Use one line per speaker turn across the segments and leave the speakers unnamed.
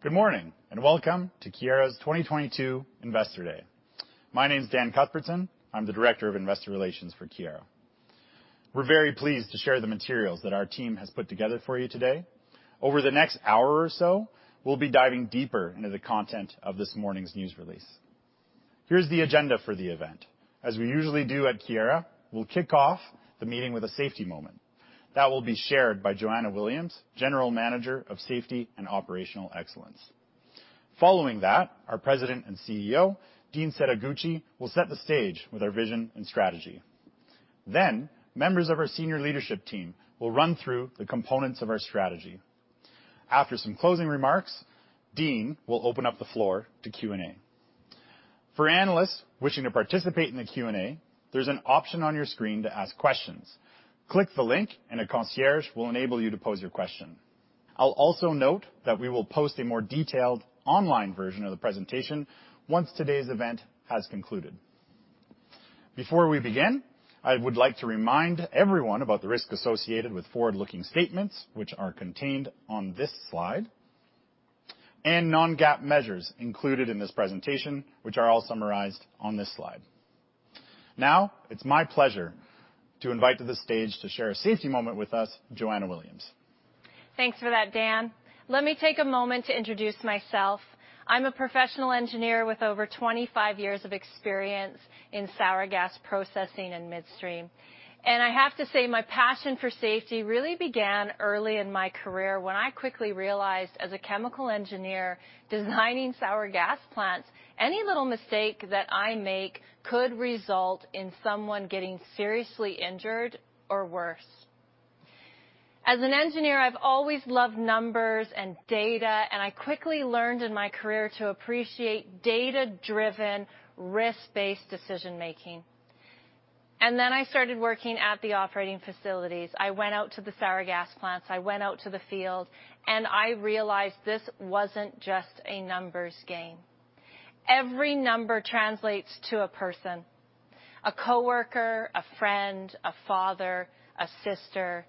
Good morning, and welcome to Keyera's 2022 Investor Day. My name's Dan Cuthbertson. I'm the Director of Investor Relations for Keyera. We're very pleased to share the materials that our team has put together for you today. Over the next hour or so, we'll be diving deeper into the content of this morning's news release. Here's the agenda for the event. As we usually do at Keyera, we'll kick off the meeting with a safety moment. That will be shared by Joanna Williams, General Manager of Safety and Operational Excellence. Following that, our President and CEO, Dean Setoguchi, will set the stage with our vision and strategy. Then, members of our senior leadership team will run through the components of our strategy. After some closing remarks, Dean will open up the floor to Q&A. For analysts wishing to participate in the Q&A, there's an option on your screen to ask questions. Click the link, and a concierge will enable you to pose your question. I'll also note that we will post a more detailed online version of the presentation once today's event has concluded. Before we begin, I would like to remind everyone about the risks associated with forward-looking statements which are contained on this slide, and non-GAAP measures included in this presentation, which are all summarized on this slide. Now it's my pleasure to invite Joanna Williams to the stage to share a safety moment with us.
Thanks for that, Dan. Let me take a moment to introduce myself. I'm a professional engineer with over 25 years of experience in sour gas processing and midstream. I have to say, my passion for safety really began early in my career, when I quickly realized, as a chemical engineer designing sour gas plants, any little mistake that I make could result in someone getting seriously injured or worse. As an engineer, I've always loved numbers and data, and I quickly learned in my career to appreciate data-driven, risk-based decision-making. Then I started working at the operating facilities. I went out to the sour gas plants, I went out to the field, and I realized this wasn't just a numbers game. Every number translates to a person, a coworker, a friend, a father, a sister.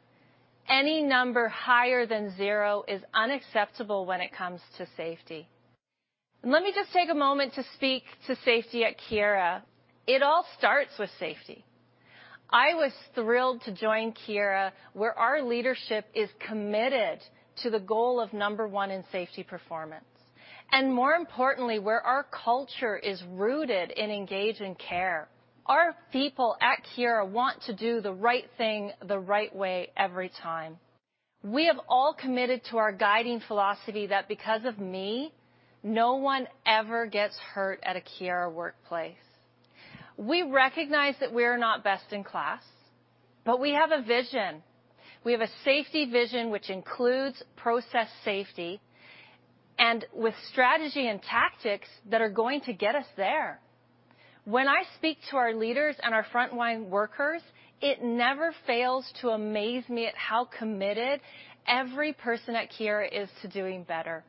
Any number higher than zero is unacceptable when it comes to safety. Let me just take a moment to speak to safety at Keyera. It all starts with safety. I was thrilled to join Keyera, where our leadership is committed to the goal of No. 1 in safety performance, and more importantly, where our culture is rooted in engage and care. Our people at Keyera want to do the right thing, the right way every time. We have all committed to our guiding philosophy that because of me, no one ever gets hurt at a Keyera workplace. We recognize that we are not best in class, but we have a vision. We have a safety vision which includes process safety, and with strategy and tactics that are going to get us there. When I speak to our leaders and our frontline workers, it never fails to amaze me at how committed every person at Keyera is to doing better.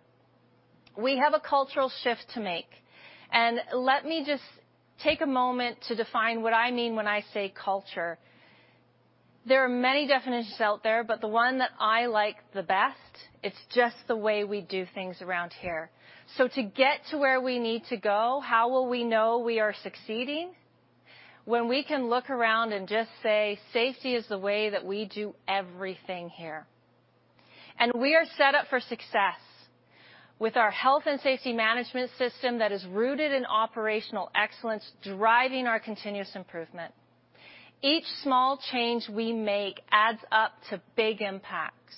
We have a cultural shift to make. Let me just take a moment to define what I mean when I say culture. There are many definitions out there, but the one that I like the best, it's just the way we do things around here. To get to where we need to go, how will we know we are succeeding? When we can look around and just say, "Safety is the way that we do everything here." We are set up for success with our health and safety management system that is rooted in operational excellence, driving our continuous improvement. Each small change we make adds up to big impacts.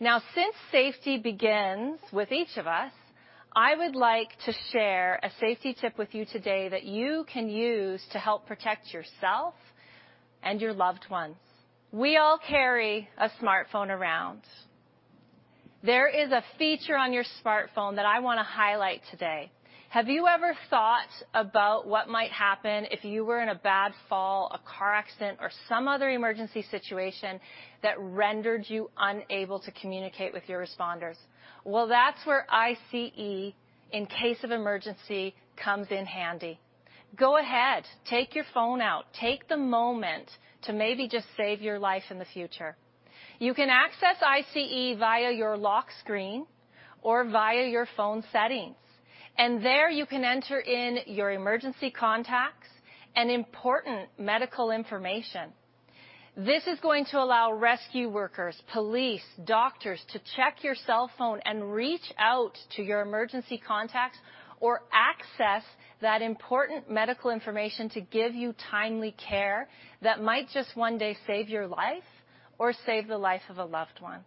Now, since safety begins with each of us, I would like to share a safety tip with you today that you can use to help protect yourself and your loved ones. We all carry a smartphone around. There is a feature on your smartphone that I wanna highlight today. Have you ever thought about what might happen if you were in a bad fall, a car accident, or some other emergency situation that rendered you unable to communicate with your responders? Well, that's where ICE, In Case of Emergency, comes in handy. Go ahead, take your phone out. Take the moment to maybe just save your life in the future. You can access ICE via your lock screen or via your phone settings. There, you can enter in your emergency contacts and important medical information. This is going to allow rescue workers, police, doctors to check your cell phone and reach out to your emergency contacts or access that important medical information to give you timely care that might just one day save your life or save the life of a loved one.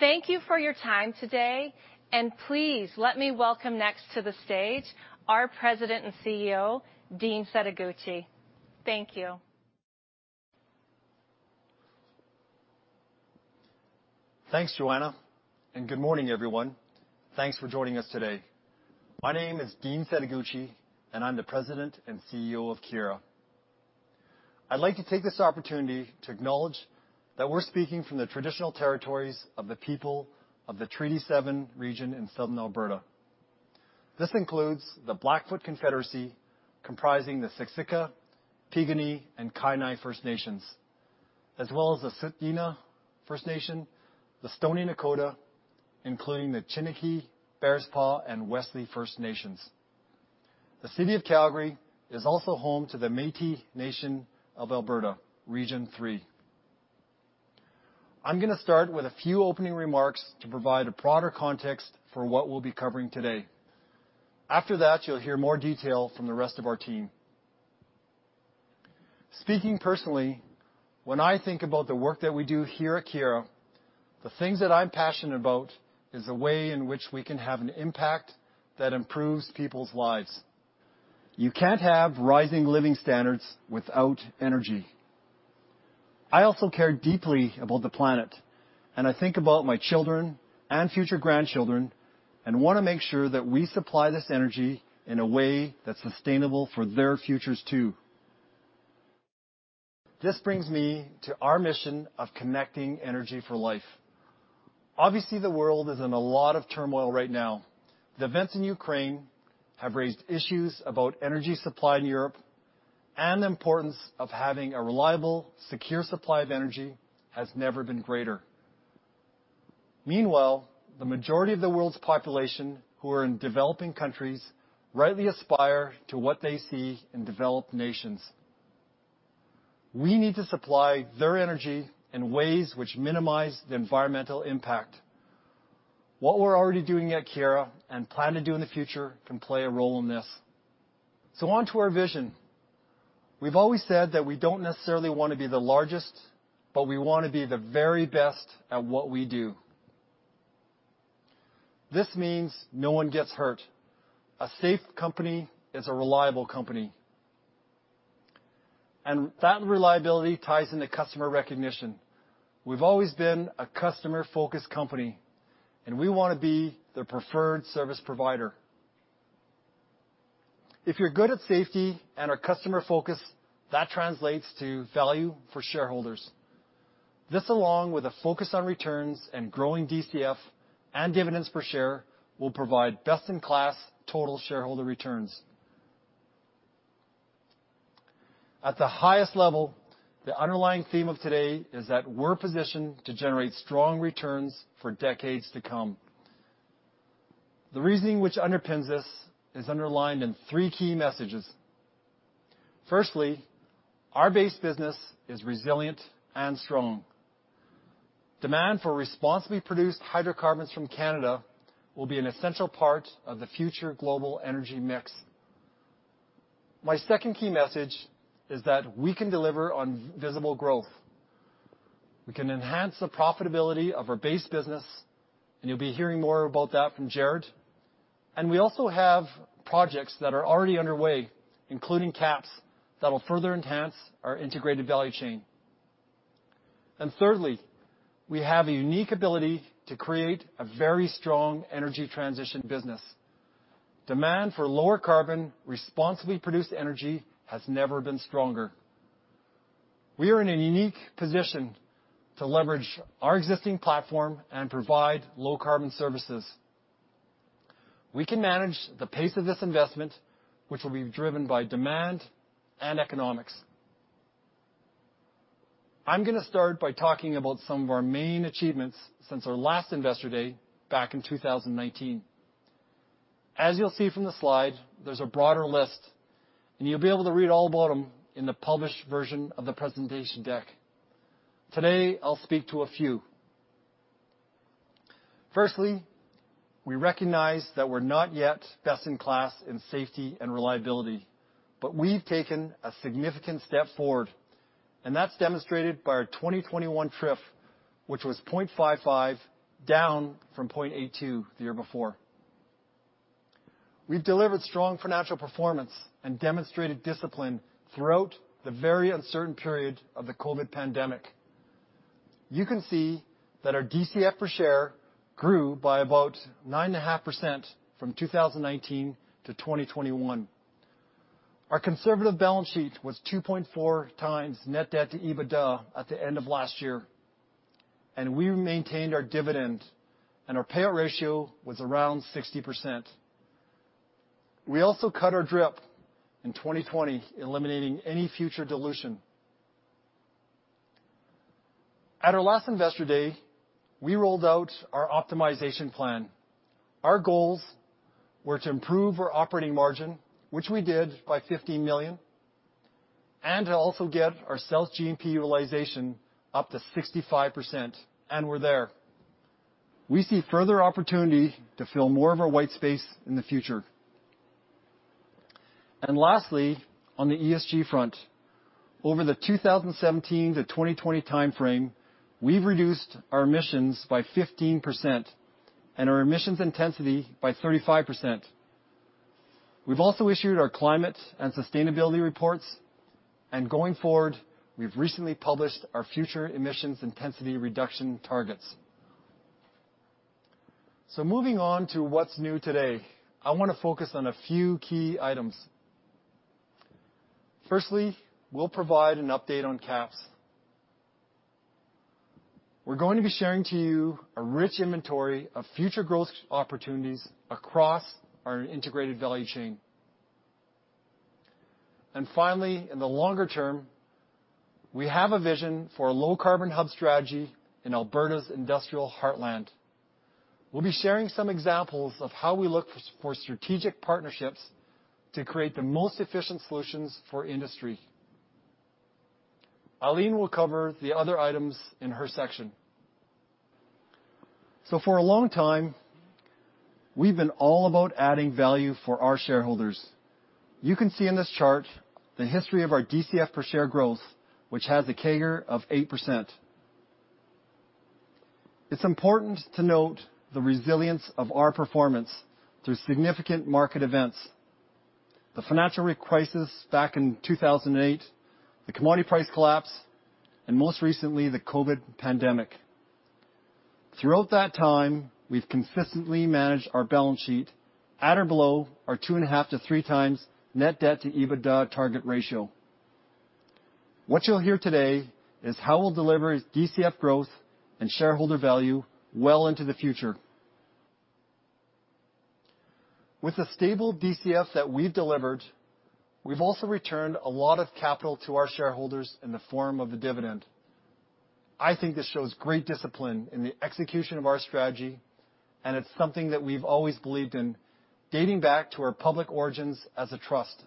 Thank you for your time today, and please let me welcome next to the stage our President and CEO, Dean Setoguchi. Thank you.
Thanks, Joanna, and good morning, everyone. Thanks for joining us today. My name is Dean Setoguchi, and I'm the President and CEO of Keyera. I'd like to take this opportunity to acknowledge that we're speaking from the traditional territories of the people of the Treaty 7 region in Southern Alberta. This includes the Blackfoot Confederacy, comprising the Siksika, Piikani, and Kainai First Nations, as well as the Tsuut'ina First Nation, the Stoney Nakoda, including the Chiniki, Bearspaw, and Wesley First Nations. The City of Calgary is also home to the Métis Nation of Alberta, Region 3. I'm gonna start with a few opening remarks to provide a broader context for what we'll be covering today. After that, you'll hear more detail from the rest of our team. Speaking personally, when I think about the work that we do here at Keyera, the things that I'm passionate about is the way in which we can have an impact that improves people's lives. You can't have rising living standards without energy. I also care deeply about the planet, and I think about my children and future grandchildren and wanna make sure that we supply this energy in a way that's sustainable for their futures too. This brings me to our mission of connecting energy for life. Obviously, the world is in a lot of turmoil right now. The events in Ukraine have raised issues about energy supply in Europe, and the importance of having a reliable, secure supply of energy has never been greater. Meanwhile, the majority of the world's population who are in developing countries rightly aspire to what they see in developed nations. We need to supply their energy in ways which minimize the environmental impact. What we're already doing at Keyera and plan to do in the future can play a role in this. On to our vision. We've always said that we don't necessarily wanna be the largest, but we wanna be the very best at what we do. This means no one gets hurt. A safe company is a reliable company. That reliability ties into customer recognition. We've always been a customer-focused company, and we wanna be the preferred service provider. If you're good at safety and are customer-focused, that translates to value for shareholders. This, along with a focus on returns and growing DCF and dividends per share, will provide best-in-class total shareholder returns. At the highest level, the underlying theme of today is that we're positioned to generate strong returns for decades to come. The reasoning which underpins this is underlined in three key messages. Firstly, our base business is resilient and strong. Demand for responsibly produced hydrocarbons from Canada will be an essential part of the future global energy mix. My second key message is that we can deliver on visible growth. We can enhance the profitability of our base business, and you'll be hearing more about that from Jarrod. We also have projects that are already underway, including KAPS, that'll further enhance our integrated value chain. Thirdly, we have a unique ability to create a very strong energy transition business. Demand for lower carbon, responsibly produced energy has never been stronger. We are in a unique position to leverage our existing platform and provide low-carbon services. We can manage the pace of this investment, which will be driven by demand and economics. I'm gonna start by talking about some of our main achievements since our last Investor Day back in 2019. As you'll see from the slide, there's a broader list, and you'll be able to read all about them in the published version of the presentation deck. Today, I'll speak to a few. Firstly, we recognize that we're not yet best in class in safety and reliability, but we've taken a significant step forward, and that's demonstrated by our 2021 TRIF, which was 0.55, down from 0.82 the year before. We've delivered strong financial performance and demonstrated discipline throughout the very uncertain period of the COVID pandemic. You can see that our DCF per share grew by about 9.5% from 2019 to 2021. Our conservative balance sheet was 2.4x net debt to EBITDA at the end of last year, and we maintained our dividend, and our payout ratio was around 60%. We also cut our DRIP in 2020, eliminating any future dilution. At our last Investor Day, we rolled out our optimization plan. Our goals were to improve our operating margin, which we did by 15 million, and to also get our G&P utilization up to 65%, and we're there. We see further opportunity to fill more of our white space in the future. Lastly, on the ESG front, over the 2017-2020 timeframe, we've reduced our emissions by 15% and our emissions intensity by 35%. We've also issued our climate and sustainability reports, and going forward, we've recently published our future emissions intensity reduction targets. Moving on to what's new today, I wanna focus on a few key items. Firstly, we'll provide an update on KAPS. We're going to be sharing with you a rich inventory of future growth opportunities across our integrated value chain. Finally, in the longer term, we have a vision for a low-carbon hub strategy in Alberta's industrial heartland. We'll be sharing some examples of how we look for strategic partnerships to create the most efficient solutions for industry. Eileen will cover the other items in her section. For a long time, we've been all about adding value for our shareholders. You can see in this chart the history of our DCF per share growth, which has a CAGR of 8%. It's important to note the resilience of our performance through significant market events. The financial crisis back in 2008, the commodity price collapse, and most recently, the COVID pandemic. Throughout that time, we've consistently managed our balance sheet at or below our 2.5x-3x net debt to EBITDA target ratio. What you'll hear today is how we'll deliver DCF growth and shareholder value well into the future. With the stable DCF that we've delivered, we've also returned a lot of capital to our shareholders in the form of the dividend. I think this shows great discipline in the execution of our strategy, and it's something that we've always believed in dating back to our public origins as a trust.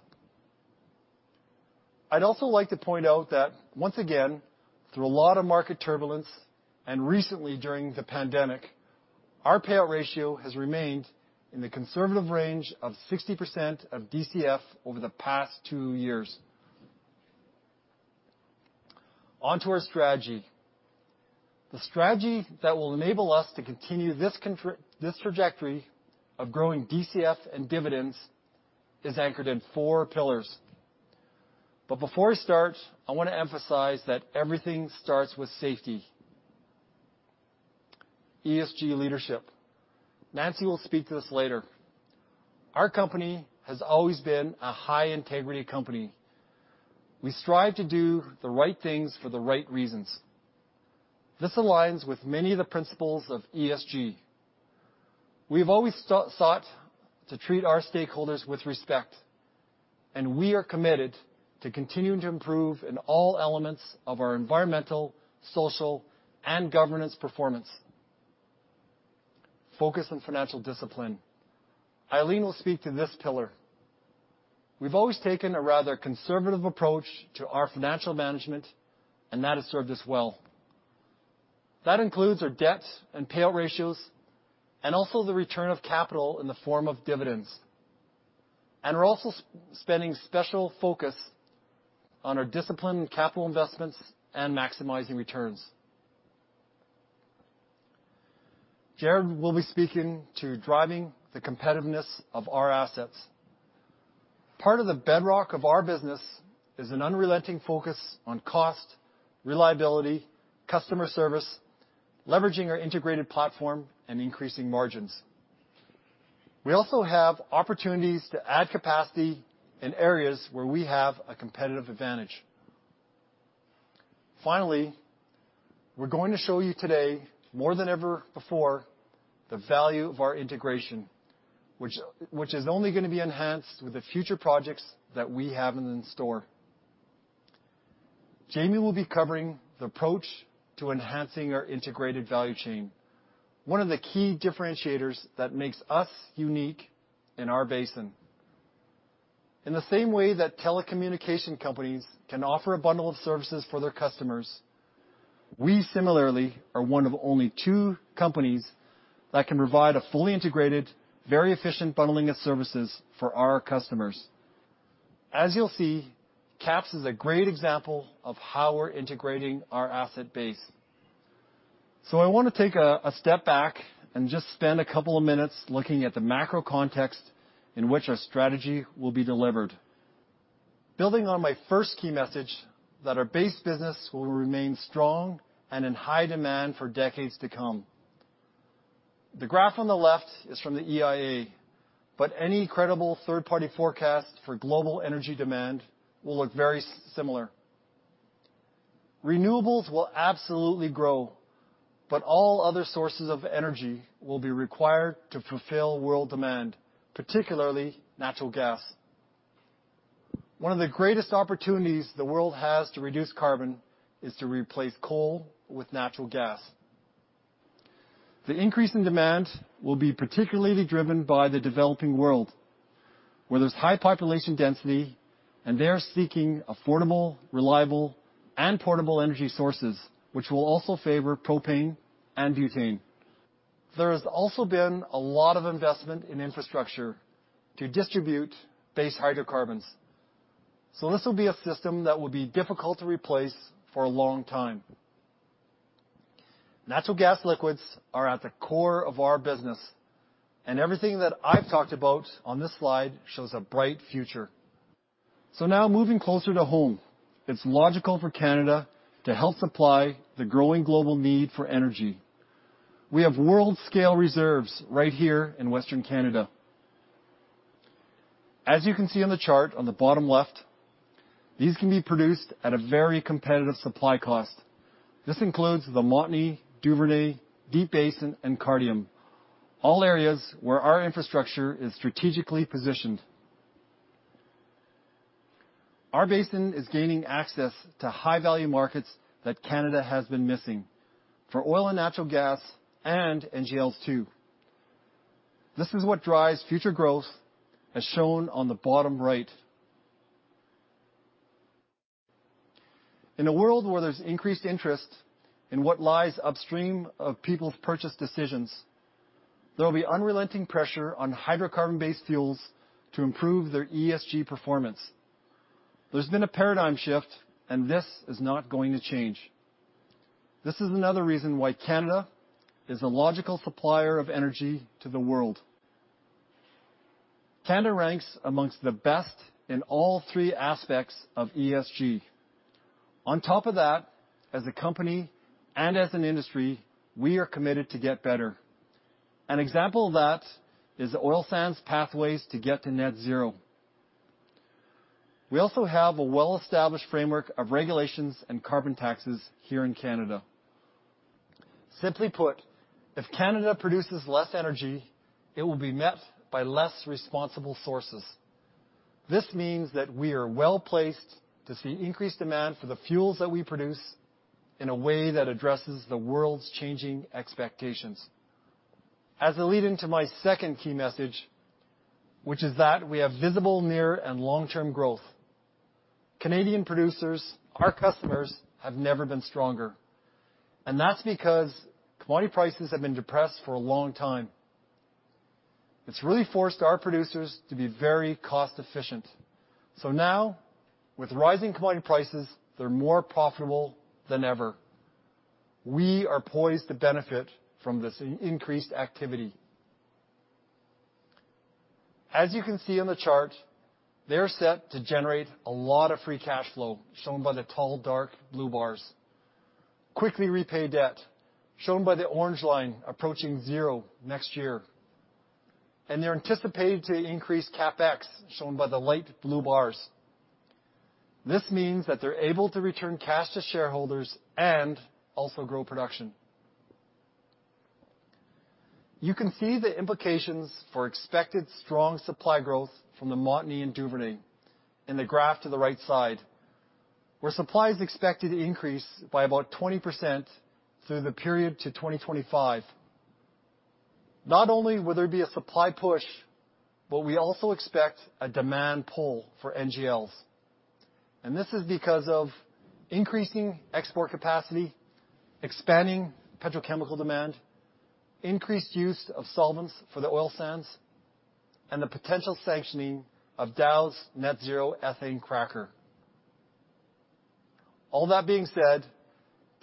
I'd also like to point out that once again, through a lot of market turbulence and recently during the pandemic, our payout ratio has remained in the conservative range of 60% of DCF over the past two years. On to our strategy. The strategy that will enable us to continue this trajectory of growing DCF and dividends is anchored in four pillars. Before I start, I want to emphasize that everything starts with safety. ESG leadership. Nancy will speak to this later. Our company has always been a high-integrity company. We strive to do the right things for the right reasons. This aligns with many of the principles of ESG. We have always sought to treat our stakeholders with respect, and we are committed to continuing to improve in all elements of our environmental, social, and governance performance. Focus on financial discipline. Eileen will speak to this pillar. We've always taken a rather conservative approach to our financial management, and that has served us well. That includes our debt and payout ratios and also the return of capital in the form of dividends. We're also spending special focus on our disciplined capital investments and maximizing returns. Jarrod will be speaking to driving the competitiveness of our assets. Part of the bedrock of our business is an unrelenting focus on cost, reliability, customer service, leveraging our integrated platform, and increasing margins. We also have opportunities to add capacity in areas where we have a competitive advantage. Finally, we're going to show you today, more than ever before, the value of our integration, which is only gonna be enhanced with the future projects that we have in store. Jamie will be covering the approach to enhancing our integrated value chain, one of the key differentiators that makes us unique in our basin. In the same way that telecommunication companies can offer a bundle of services for their customers, we similarly are one of only two companies that can provide a fully integrated, very efficient bundling of services for our customers. As you'll see, KAPS is a great example of how we're integrating our asset base. I wanna take a step back and just spend a couple of minutes looking at the macro context in which our strategy will be delivered. Building on my first key message that our base business will remain strong and in high demand for decades to come. The graph on the left is from the EIA, but any credible third-party forecast for global energy demand will look very similar. Renewables will absolutely grow, but all other sources of energy will be required to fulfill world demand, particularly natural gas. One of the greatest opportunities the world has to reduce carbon is to replace coal with natural gas. The increase in demand will be particularly driven by the developing world, where there's high population density, and they are seeking affordable, reliable, and portable energy sources, which will also favor propane and butane. There has also been a lot of investment in infrastructure to distribute base hydrocarbons. This will be a system that will be difficult to replace for a long time. Natural gas liquids are at the core of our business, and everything that I've talked about on this slide shows a bright future. Now moving closer to home, it's logical for Canada to help supply the growing global need for energy. We have world-scale reserves right here in Western Canada. As you can see on the chart on the bottom left, these can be produced at a very competitive supply cost. This includes the Montney, Duvernay, Deep Basin, and Cardium, all areas where our infrastructure is strategically positioned. Our basin is gaining access to high-value markets that Canada has been missing, for oil and natural gas and NGLs too. This is what drives future growth as shown on the bottom right. In a world where there's increased interest in what lies upstream of people's purchase decisions, there will be unrelenting pressure on hydrocarbon-based fuels to improve their ESG performance. There's been a paradigm shift, and this is not going to change. This is another reason why Canada is a logical supplier of energy to the world. Canada ranks amongst the best in all three aspects of ESG. On top of that, as a company and as an industry, we are committed to get better. An example of that is the Oil Sands Pathways to Net Zero. We also have a well-established framework of regulations and carbon taxes here in Canada. Simply put, if Canada produces less energy, it will be met by less responsible sources. This means that we are well-placed to see increased demand for the fuels that we produce in a way that addresses the world's changing expectations. As a lead-in to my second key message, which is that we have visible near and long-term growth. Canadian producers, our customers, have never been stronger, and that's because commodity prices have been depressed for a long time. It's really forced our producers to be very cost-efficient. Now, with rising commodity prices, they're more profitable than ever. We are poised to benefit from this increased activity. As you can see on the chart, they're set to generate a lot of free cash flow, shown by the tall, dark blue bars. Quickly repay debt, shown by the orange line approaching zero next year. They're anticipated to increase CapEx, shown by the light blue bars. This means that they're able to return cash to shareholders and also grow production. You can see the implications for expected strong supply growth from the Montney and Duvernay in the graph to the right side, where supply is expected to increase by about 20% through the period to 2025. Not only will there be a supply push, but we also expect a demand pull for NGLs. This is because of increasing export capacity, expanding petrochemical demand, increased use of solvents for the oil sands, and the potential sanctioning of Dow's net-zero ethane cracker. All that being said,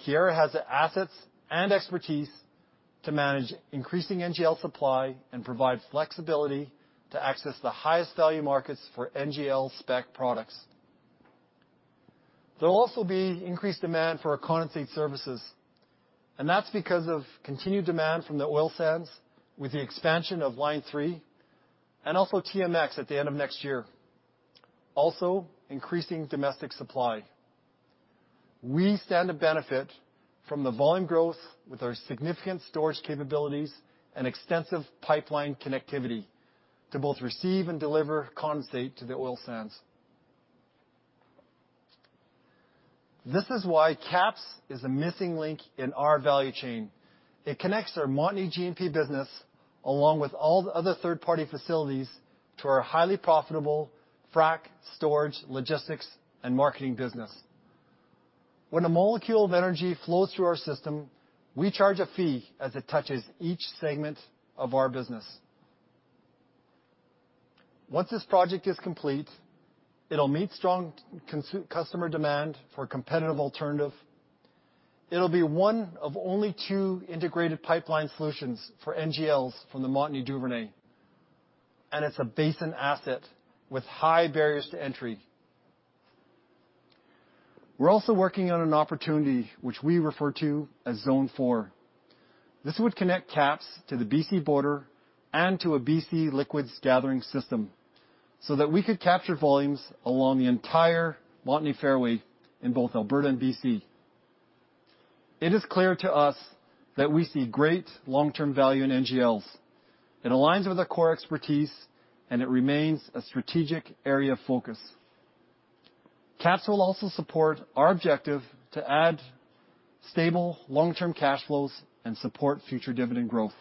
Keyera has the assets and expertise to manage increasing NGL supply and provide flexibility to access the highest value markets for NGL spec products. There'll also be increased demand for our condensate services, and that's because of continued demand from the oil sands with the expansion of Line 3 and also TMX at the end of next year, also increasing domestic supply. We stand to benefit from the volume growth with our significant storage capabilities and extensive pipeline connectivity to both receive and deliver condensate to the oil sands. This is why KAPS is the missing link in our value chain. It connects our Montney G&P business, along with all the other third-party facilities, to our highly profitable frac, storage, logistics, and marketing business. When a molecule of energy flows through our system, we charge a fee as it touches each segment of our business. Once this project is complete, it'll meet strong customer demand for competitive alternative. It'll be one of only two integrated pipeline solutions for NGLs from the Montney Duvernay. It's a basin asset with high barriers to entry. We're also working on an opportunity which we refer to as Zone 4. This would connect KAPS to the B.C. border and to a B.C. liquids gathering system so that we could capture volumes along the entire Montney fairway in both Alberta and B.C. It is clear to us that we see great long-term value in NGLs. It aligns with our core expertise, and it remains a strategic area of focus. KAPS will also support our objective to add stable long-term cash flows and support future dividend growth.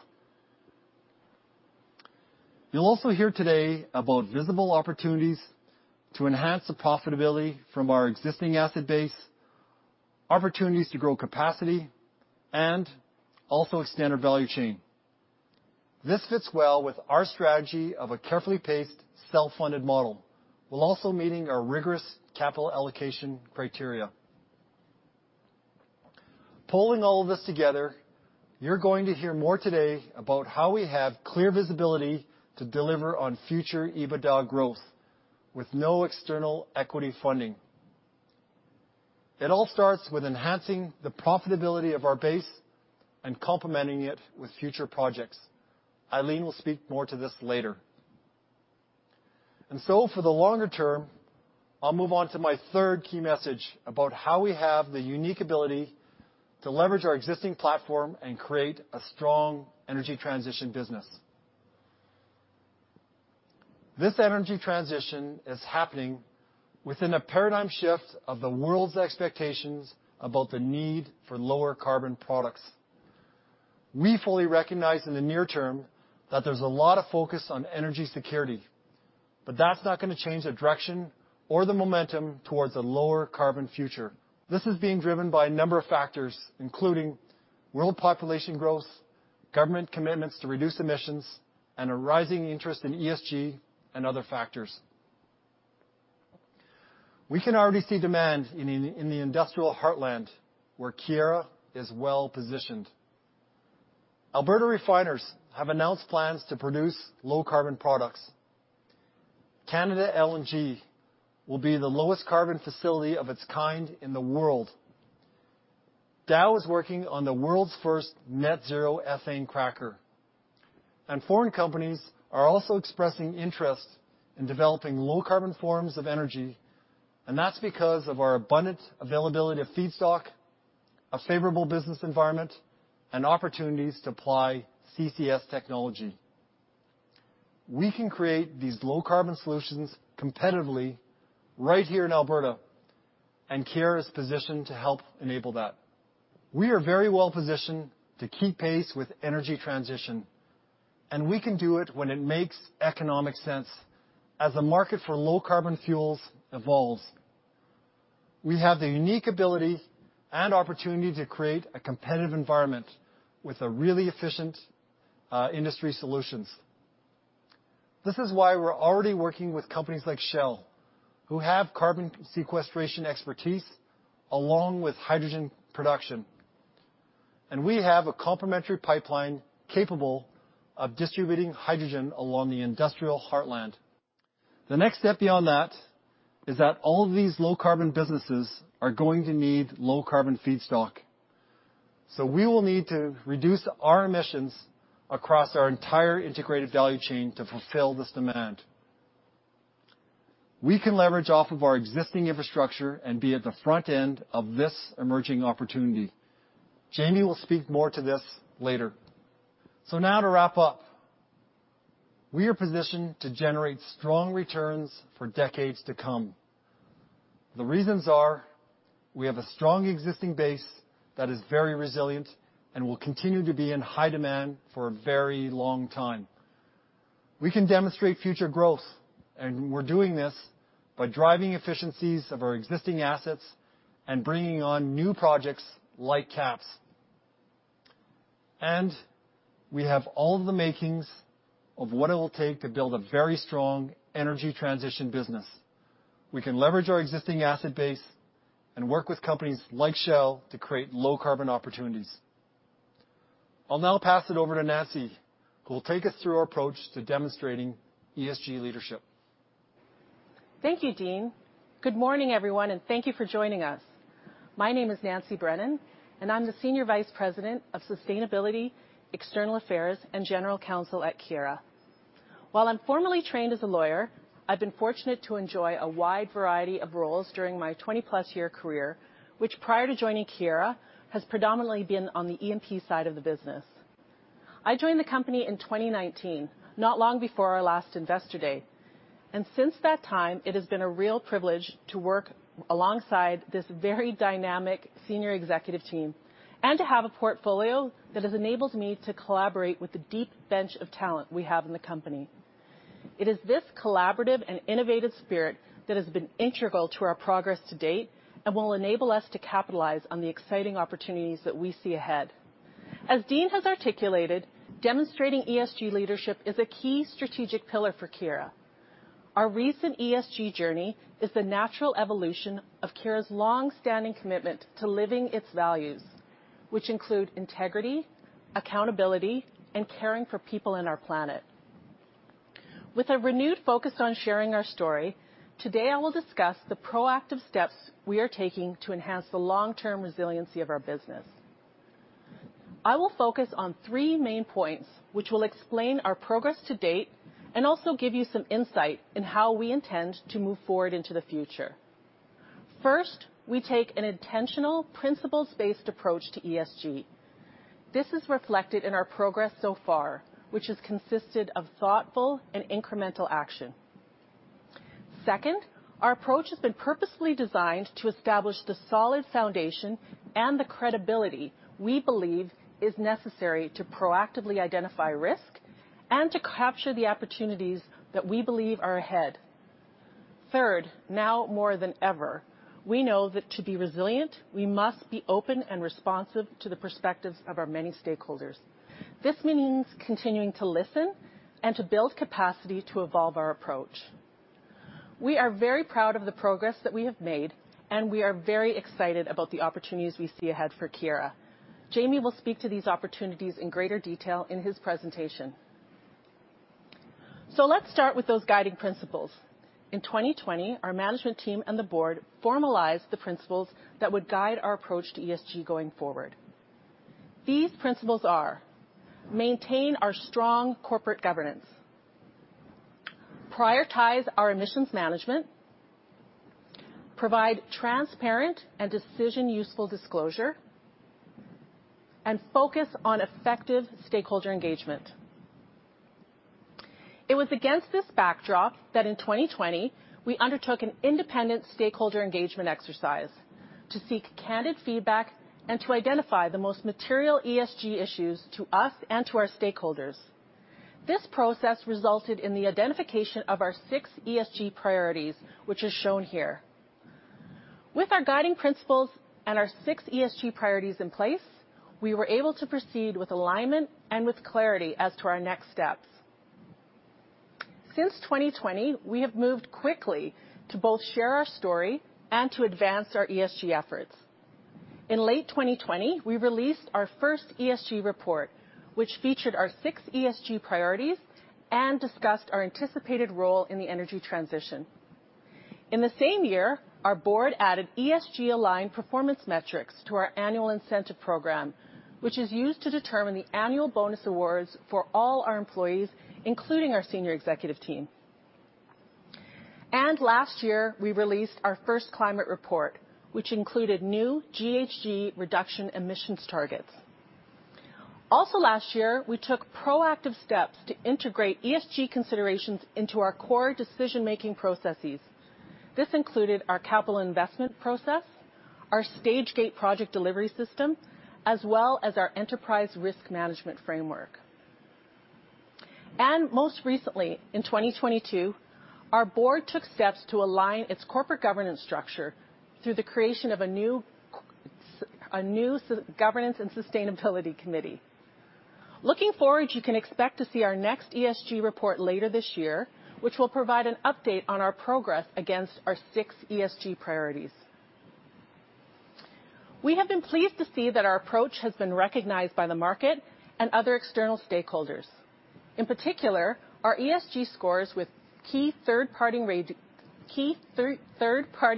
You'll also hear today about visible opportunities to enhance the profitability from our existing asset base, opportunities to grow capacity, and also extend our value chain. This fits well with our strategy of a carefully paced self-funded model, while also meeting our rigorous capital allocation criteria. Pulling all of this together, you're going to hear more today about how we have clear visibility to deliver on future EBITDA growth with no external equity funding. It all starts with enhancing the profitability of our base and complementing it with future projects. Eileen will speak more to this later. For the longer term, I'll move on to my third key message about how we have the unique ability to leverage our existing platform and create a strong energy transition business. This energy transition is happening within a paradigm shift of the world's expectations about the need for lower carbon products. We fully recognize in the near term that there's a lot of focus on energy security, but that's not gonna change the direction or the momentum towards a lower carbon future. This is being driven by a number of factors, including world population growth, government commitments to reduce emissions, and a rising interest in ESG and other factors. We can already see demand in the industrial heartland where Keyera is well-positioned. Alberta refiners have announced plans to produce low carbon products. LNG Canada will be the lowest carbon facility of its kind in the world. Dow is working on the world's first net zero ethane cracker. Foreign companies are also expressing interest in developing low carbon forms of energy, and that's because of our abundant availability of feedstock, a favorable business environment, and opportunities to apply CCS technology. We can create these low carbon solutions competitively right here in Alberta, and Keyera is positioned to help enable that. We are very well-positioned to keep pace with energy transition, and we can do it when it makes economic sense as the market for low carbon fuels evolves. We have the unique ability and opportunity to create a competitive environment with a really efficient industry solutions. This is why we're already working with companies like Shell, who have carbon sequestration expertise along with hydrogen production. We have a complementary pipeline capable of distributing hydrogen along the industrial heartland. The next step beyond that is that all these low carbon businesses are going to need low carbon feedstock. We will need to reduce our emissions across our entire integrated value chain to fulfill this demand. We can leverage off of our existing infrastructure and be at the front end of this emerging opportunity. Jamie will speak more to this later. Now to wrap up, we are positioned to generate strong returns for decades to come. The reasons are we have a strong existing base that is very resilient and will continue to be in high demand for a very long time. We can demonstrate future growth, and we're doing this by driving efficiencies of our existing assets and bringing on new projects like KAPS. We have all of the makings of what it will take to build a very strong energy transition business. We can leverage our existing asset base and work with companies like Shell to create low carbon opportunities. I'll now pass it over to Nancy, who will take us through our approach to demonstrating ESG leadership.
Thank you, Dean. Good morning, everyone, and thank you for joining us. My name is Nancy Brennan, and I'm the Senior Vice President of Sustainability, External Affairs and General Counsel at Keyera. While I'm formally trained as a lawyer, I've been fortunate to enjoy a wide variety of roles during my 20+ year career, which prior to joining Keyera, has predominantly been on the E&P side of the business. I joined the company in 2019, not long before our last investor day. Since that time, it has been a real privilege to work alongside this very dynamic senior executive team and to have a portfolio that has enabled me to collaborate with the deep bench of talent we have in the company. It is this collaborative and innovative spirit that has been integral to our progress to date and will enable us to capitalize on the exciting opportunities that we see ahead. As Dean has articulated, demonstrating ESG leadership is a key strategic pillar for Keyera. Our recent ESG journey is the natural evolution of Keyera's long-standing commitment to living its values, which include integrity, accountability, and caring for people and our planet. With a renewed focus on sharing our story, today I will discuss the proactive steps we are taking to enhance the long-term resiliency of our business. I will focus on three main points, which will explain our progress to date and also give you some insight into how we intend to move forward into the future. First, we take an intentional, principles-based approach to ESG. This is reflected in our progress so far, which has consisted of thoughtful and incremental action. Second, our approach has been purposefully designed to establish the solid foundation and the credibility we believe is necessary to proactively identify risk and to capture the opportunities that we believe are ahead. Third, now more than ever, we know that to be resilient, we must be open and responsive to the perspectives of our many stakeholders. This means continuing to listen and to build capacity to evolve our approach. We are very proud of the progress that we have made, and we are very excited about the opportunities we see ahead for Keyera. Jamie will speak to these opportunities in greater detail in his presentation. Let's start with those guiding principles. In 2020, our management team and the board formalized the principles that would guide our approach to ESG going forward. These principles are: maintain our strong corporate governance, prioritize our emissions management, provide transparent and decision-useful disclosure, and focus on effective stakeholder engagement. It was against this backdrop that in 2020, we undertook an independent stakeholder engagement exercise to seek candid feedback and to identify the most material ESG issues to us and to our stakeholders. This process resulted in the identification of our six ESG priorities, which is shown here. With our guiding principles and our six ESG priorities in place, we were able to proceed with alignment and with clarity as to our next steps. Since 2020, we have moved quickly to both share our story and to advance our ESG efforts. In late 2020, we released our first ESG report, which featured our six ESG priorities and discussed our anticipated role in the energy transition. In the same year, our board added ESG-aligned performance metrics to our annual incentive program, which is used to determine the annual bonus awards for all our employees, including our senior executive team. Last year, we released our first climate report, which included new GHG emissions reduction targets. Also last year, we took proactive steps to integrate ESG considerations into our core decision-making processes. This included our capital investment process, our stage-gate project delivery system, as well as our enterprise risk management framework. Most recently, in 2022, our board took steps to align its corporate governance structure through the creation of a new Governance and Sustainability Committee. Looking forward, you can expect to see our next ESG report later this year, which will provide an update on our progress against our six ESG priorities. We have been pleased to see that our approach has been recognized by the market and other external stakeholders. In particular, our ESG scores with key third-party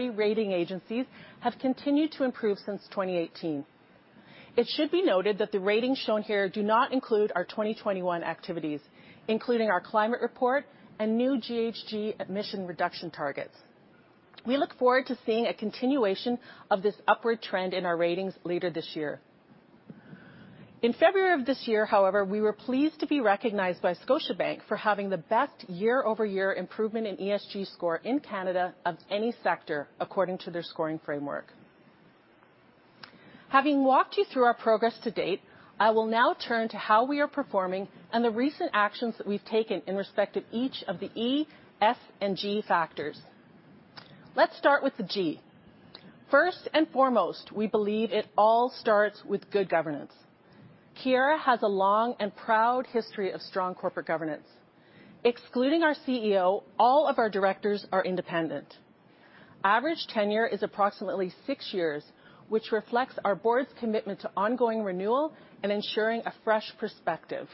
rating agencies have continued to improve since 2018. It should be noted that the ratings shown here do not include our 2021 activities, including our climate report and new GHG emission reduction targets. We look forward to seeing a continuation of this upward trend in our ratings later this year. In February of this year, however, we were pleased to be recognized by Scotiabank for having the best year-over-year improvement in ESG score in Canada of any sector, according to their scoring framework. Having walked you through our progress to date, I will now turn to how we are performing and the recent actions that we've taken in respect of each of the E, S, and G factors. Let's start with the G. First and foremost, we believe it all starts with good governance. Keyera has a long and proud history of strong corporate governance. Excluding our CEO, all of our directors are independent. Average tenure is approximately six years, which reflects our board's commitment to ongoing renewal and ensuring a fresh perspective.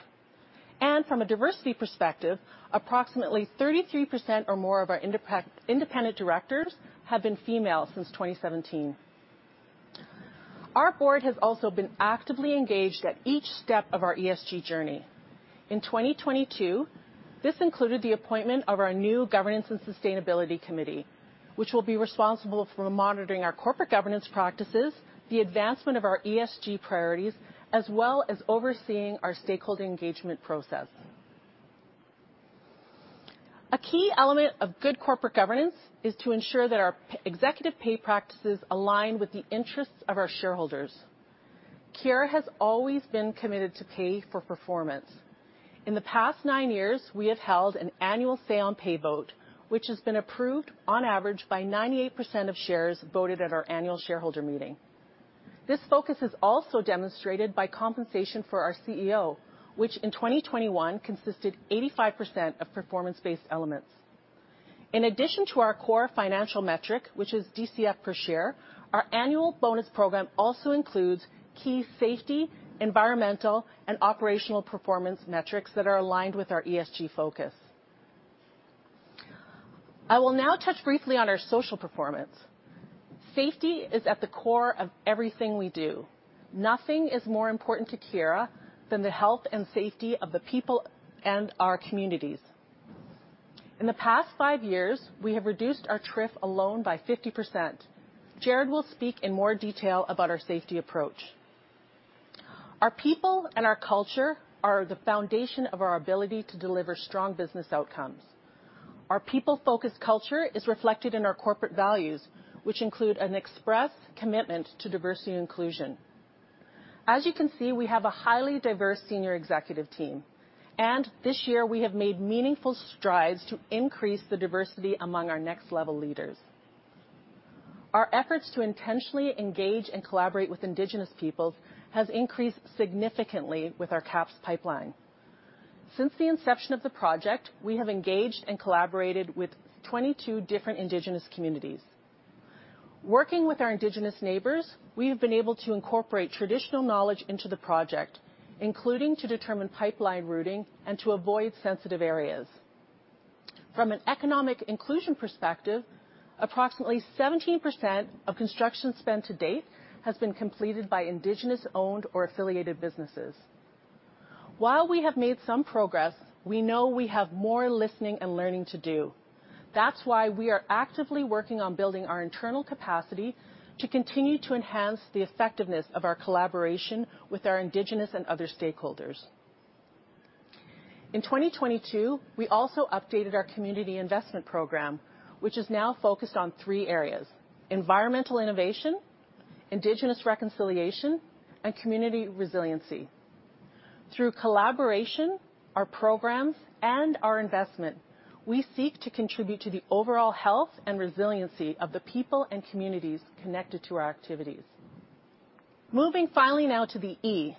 From a diversity perspective, approximately 33% or more of our independent directors have been female since 2017. Our board has also been actively engaged at each step of our ESG journey. In 2022, this included the appointment of our new governance and sustainability committee, which will be responsible for monitoring our corporate governance practices, the advancement of our ESG priorities, as well as overseeing our stakeholder engagement process. A key element of good corporate governance is to ensure that our executive pay practices align with the interests of our shareholders. Keyera has always been committed to pay for performance. In the past nine years, we have held an annual say on pay vote, which has been approved on average by 98% of shares voted at our annual shareholder meeting. This focus is also demonstrated by compensation for our CEO, which in 2021 consisted 85% of performance-based elements. In addition to our core financial metric, which is DCF per share, our annual bonus program also includes key safety, environmental, and operational performance metrics that are aligned with our ESG focus. I will now touch briefly on our social performance. Safety is at the core of everything we do. Nothing is more important to Keyera than the health and safety of the people and our communities. In the past five years, we have reduced our TRIF alone by 50%. Jarrod will speak in more detail about our safety approach. Our people and our culture are the foundation of our ability to deliver strong business outcomes. Our people-focused culture is reflected in our corporate values, which include an expressed commitment to diversity and inclusion. As you can see, we have a highly diverse senior executive team, and this year we have made meaningful strides to increase the diversity among our next-level leaders. Our efforts to intentionally engage and collaborate with Indigenous peoples has increased significantly with our KAPS pipeline. Since the inception of the project, we have engaged and collaborated with 22 different Indigenous communities. Working with our Indigenous neighbors, we have been able to incorporate traditional knowledge into the project, including to determine pipeline routing and to avoid sensitive areas. From an economic inclusion perspective, approximately 17% of construction spent to date has been completed by Indigenous-owned or affiliated businesses. While we have made some progress, we know we have more listening and learning to do. That's why we are actively working on building our internal capacity to continue to enhance the effectiveness of our collaboration with our Indigenous and other stakeholders. In 2022, we also updated our community investment program, which is now focused on three areas, environmental innovation, Indigenous reconciliation, and community resiliency. Through collaboration, our programs, and our investment, we seek to contribute to the overall health and resiliency of the people and communities connected to our activities. Moving finally now to the E.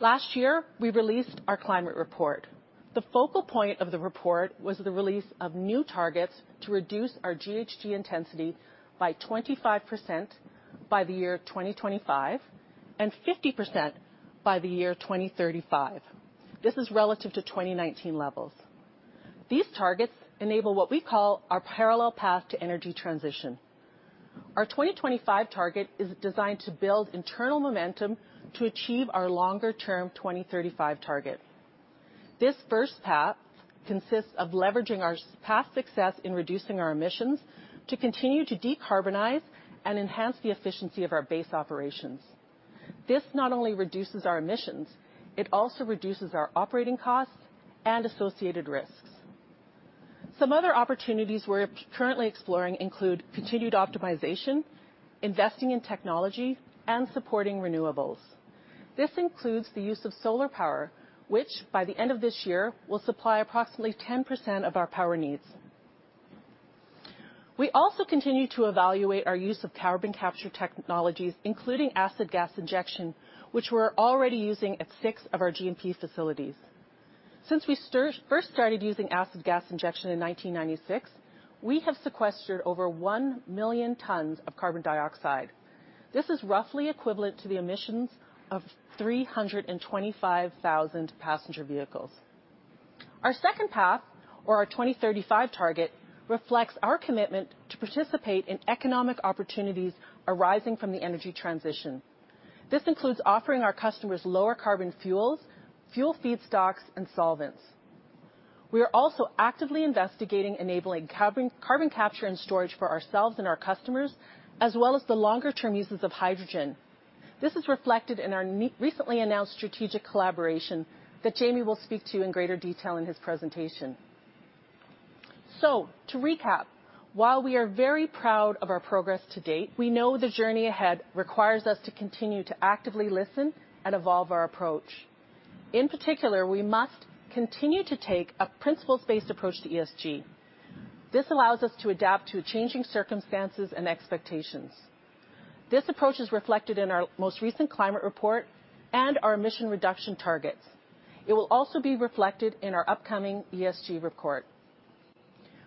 Last year, we released our climate report. The focal point of the report was the release of new targets to reduce our GHG intensity by 25% by the year 2025 and 50% by the year 2035. This is relative to 2019 levels. These targets enable what we call our parallel path to energy transition. Our 2025 target is designed to build internal momentum to achieve our longer-term 2035 target. This first path consists of leveraging our past success in reducing our emissions to continue to decarbonize and enhance the efficiency of our base operations. This not only reduces our emissions, it also reduces our operating costs and associated risks. Some other opportunities we're currently exploring include continued optimization, investing in technology, and supporting renewables. This includes the use of solar power, which by the end of this year will supply approximately 10% of our power needs. We also continue to evaluate our use of carbon capture technologies, including acid gas injection, which we're already using at six of our G&P facilities. Since we first started using acid gas injection in 1996, we have sequestered over 1 million tons of carbon dioxide. This is roughly equivalent to the emissions of 325,000 passenger vehicles. Our second path, or our 2035 target, reflects our commitment to participate in economic opportunities arising from the energy transition. This includes offering our customers lower carbon fuels, fuel feedstocks, and solvents. We are also actively investigating enabling carbon capture and storage for ourselves and our customers, as well as the longer term uses of hydrogen. This is reflected in our recently announced strategic collaboration that Jamie will speak to in greater detail in his presentation. To recap, while we are very proud of our progress to date, we know the journey ahead requires us to continue to actively listen and evolve our approach. In particular, we must continue to take a principles-based approach to ESG. This allows us to adapt to changing circumstances and expectations. This approach is reflected in our most recent climate report and our emission reduction targets. It will also be reflected in our upcoming ESG report.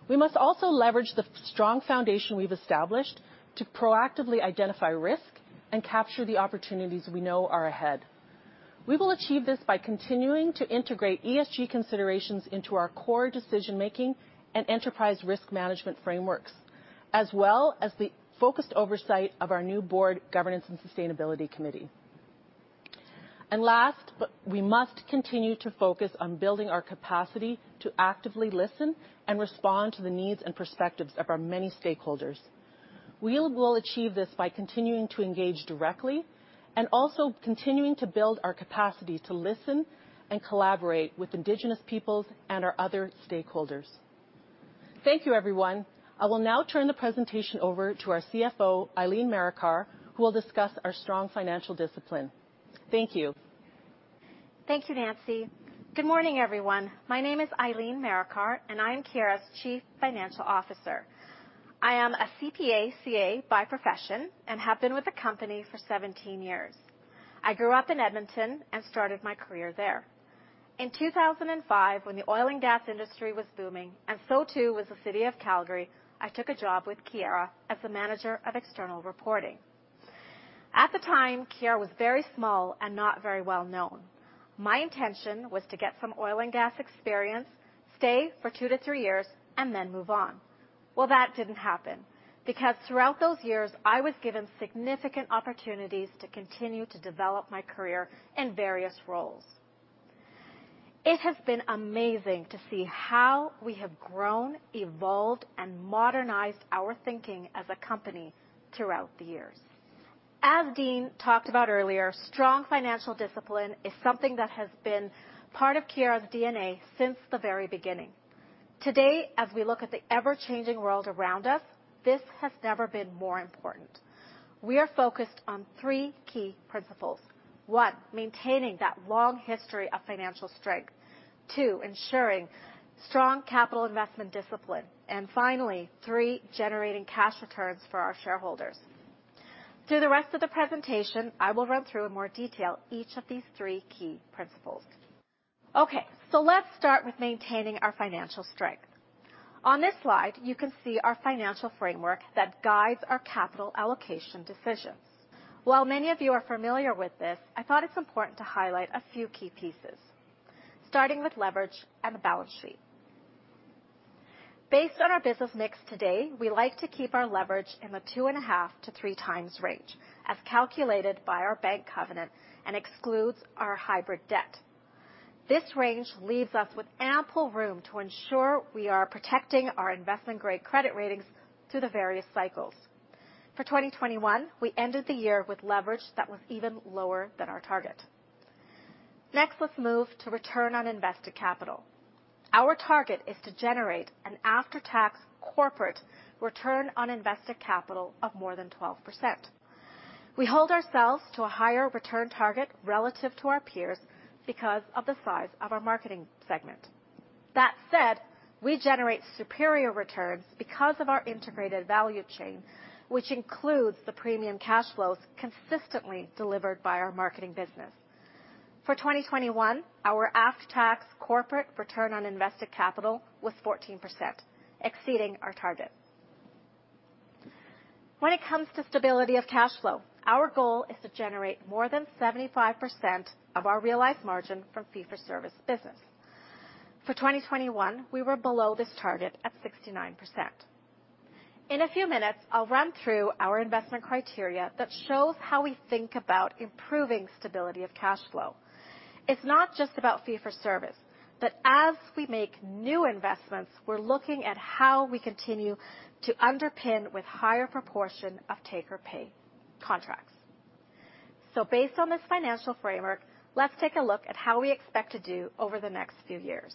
We must also leverage the strong foundation we've established to proactively identify risk and capture the opportunities we know are ahead. We will achieve this by continuing to integrate ESG considerations into our core decision-making and enterprise risk management frameworks, as well as the focused oversight of our new board governance and sustainability committee. Last, we must continue to focus on building our capacity to actively listen and respond to the needs and perspectives of our many stakeholders. We'll achieve this by continuing to engage directly and also continuing to build our capacity to listen and collaborate with Indigenous peoples and our other stakeholders. Thank you, everyone. I will now turn the presentation over to our CFO, Eileen Marikar, who will discuss our strong financial discipline. Thank you.
Thank you, Nancy. Good morning, everyone. My name is Eileen Marikar, and I am Keyera's Chief Financial Officer. I am a CPA, CA by profession and have been with the company for 17 years. I grew up in Edmonton and started my career there. In 2005, when the oil and gas industry was booming, and so too was the city of Calgary, I took a job with Keyera as the Manager of External Reporting. At the time, Keyera was very small and not very well known. My intention was to get some oil and gas experience, stay for two to three years, and then move on. Well, that didn't happen because throughout those years I was given significant opportunities to continue to develop my career in various roles. It has been amazing to see how we have grown, evolved, and modernized our thinking as a company throughout the years. As Dean talked about earlier, strong financial discipline is something that has been part of Keyera's DNA since the very beginning. Today, as we look at the ever-changing world around us, this has never been more important. We are focused on three key principles. One, maintaining that long history of financial strength. Two, ensuring strong capital investment discipline. And finally, three, generating cash returns for our shareholders. Through the rest of the presentation, I will run through in more detail each of these three key principles. Okay, so let's start with maintaining our financial strength. On this slide, you can see our financial framework that guides our capital allocation decisions. While many of you are familiar with this, I thought it's important to highlight a few key pieces, starting with leverage and the balance sheet. Based on our business mix today, we like to keep our leverage in the 2.5x-3x range, as calculated by our bank covenant and excludes our hybrid debt. This range leaves us with ample room to ensure we are protecting our investment-grade credit ratings through the various cycles. For 2021, we ended the year with leverage that was even lower than our target. Next, let's move to return on invested capital. Our target is to generate an after-tax corporate return on invested capital of more than 12%. We hold ourselves to a higher return target relative to our peers because of the size of our Marketing segment. That said, we generate superior returns because of our integrated value chain, which includes the premium cash flows consistently delivered by our Marketing business. For 2021, our after-tax corporate return on invested capital was 14%, exceeding our target. When it comes to stability of cash flow, our goal is to generate more than 75% of our realized margin from fee-for-service business. For 2021, we were below this target at 69%. In a few minutes, I'll run through our investment criteria that shows how we think about improving stability of cash flow. It's not just about fee-for-service, but as we make new investments, we're looking at how we continue to underpin with higher proportion of take-or-pay contracts. Based on this financial framework, let's take a look at how we expect to do over the next few years.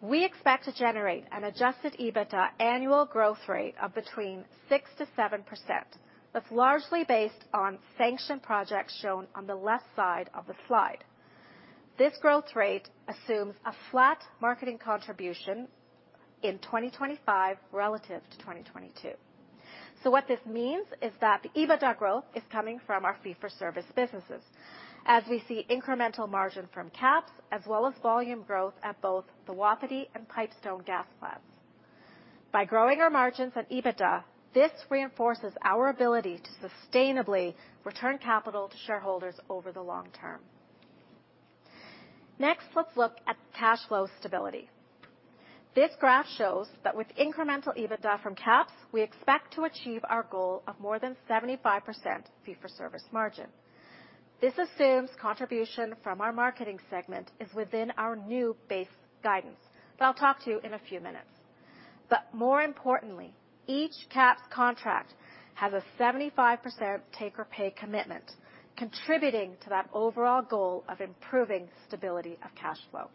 We expect to generate an adjusted EBITDA annual growth rate of between 6%-7%. That's largely based on sanctioned projects shown on the left side of the slide. This growth rate assumes a flat marketing contribution in 2025 relative to 2022. What this means is that the EBITDA growth is coming from our fee-for-service businesses as we see incremental margin from KAPS as well as volume growth at both the Wapiti and Pipestone gas plants. By growing our margins on EBITDA, this reinforces our ability to sustainably return capital to shareholders over the long term. Next, let's look at cash flow stability. This graph shows that with incremental EBITDA from KAPS, we expect to achieve our goal of more than 75% fee-for-service margin. This assumes contribution from our marketing segment is within our new base guidance, that I'll talk to you in a few minutes. More importantly, each KAPS contract has a 75% take-or-pay commitment, contributing to that overall goal of improving stability of cash flow.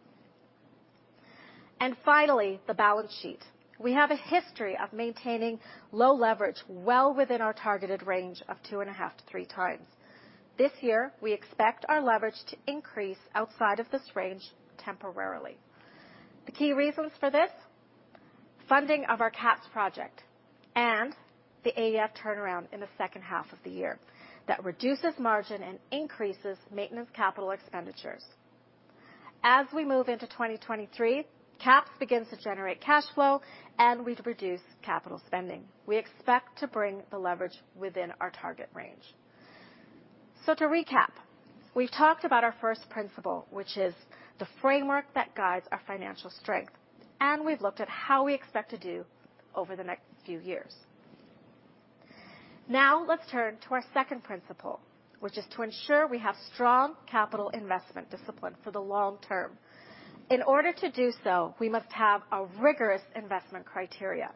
Finally, the balance sheet. We have a history of maintaining low leverage well within our targeted range of 2.5x-3x. This year, we expect our leverage to increase outside of this range temporarily. The key reasons for this, funding of our KAPS project and the AEF turnaround in the second half of the year that reduces margin and increases maintenance capital expenditures. As we move into 2023, KAPS begins to generate cash flow and we reduce capital spending. We expect to bring the leverage within our target range. To recap, we've talked about our first principle, which is the framework that guides our financial strength, and we've looked at how we expect to do over the next few years. Now let's turn to our second principle, which is to ensure we have strong capital investment discipline for the long term. In order to do so, we must have a rigorous investment criteria.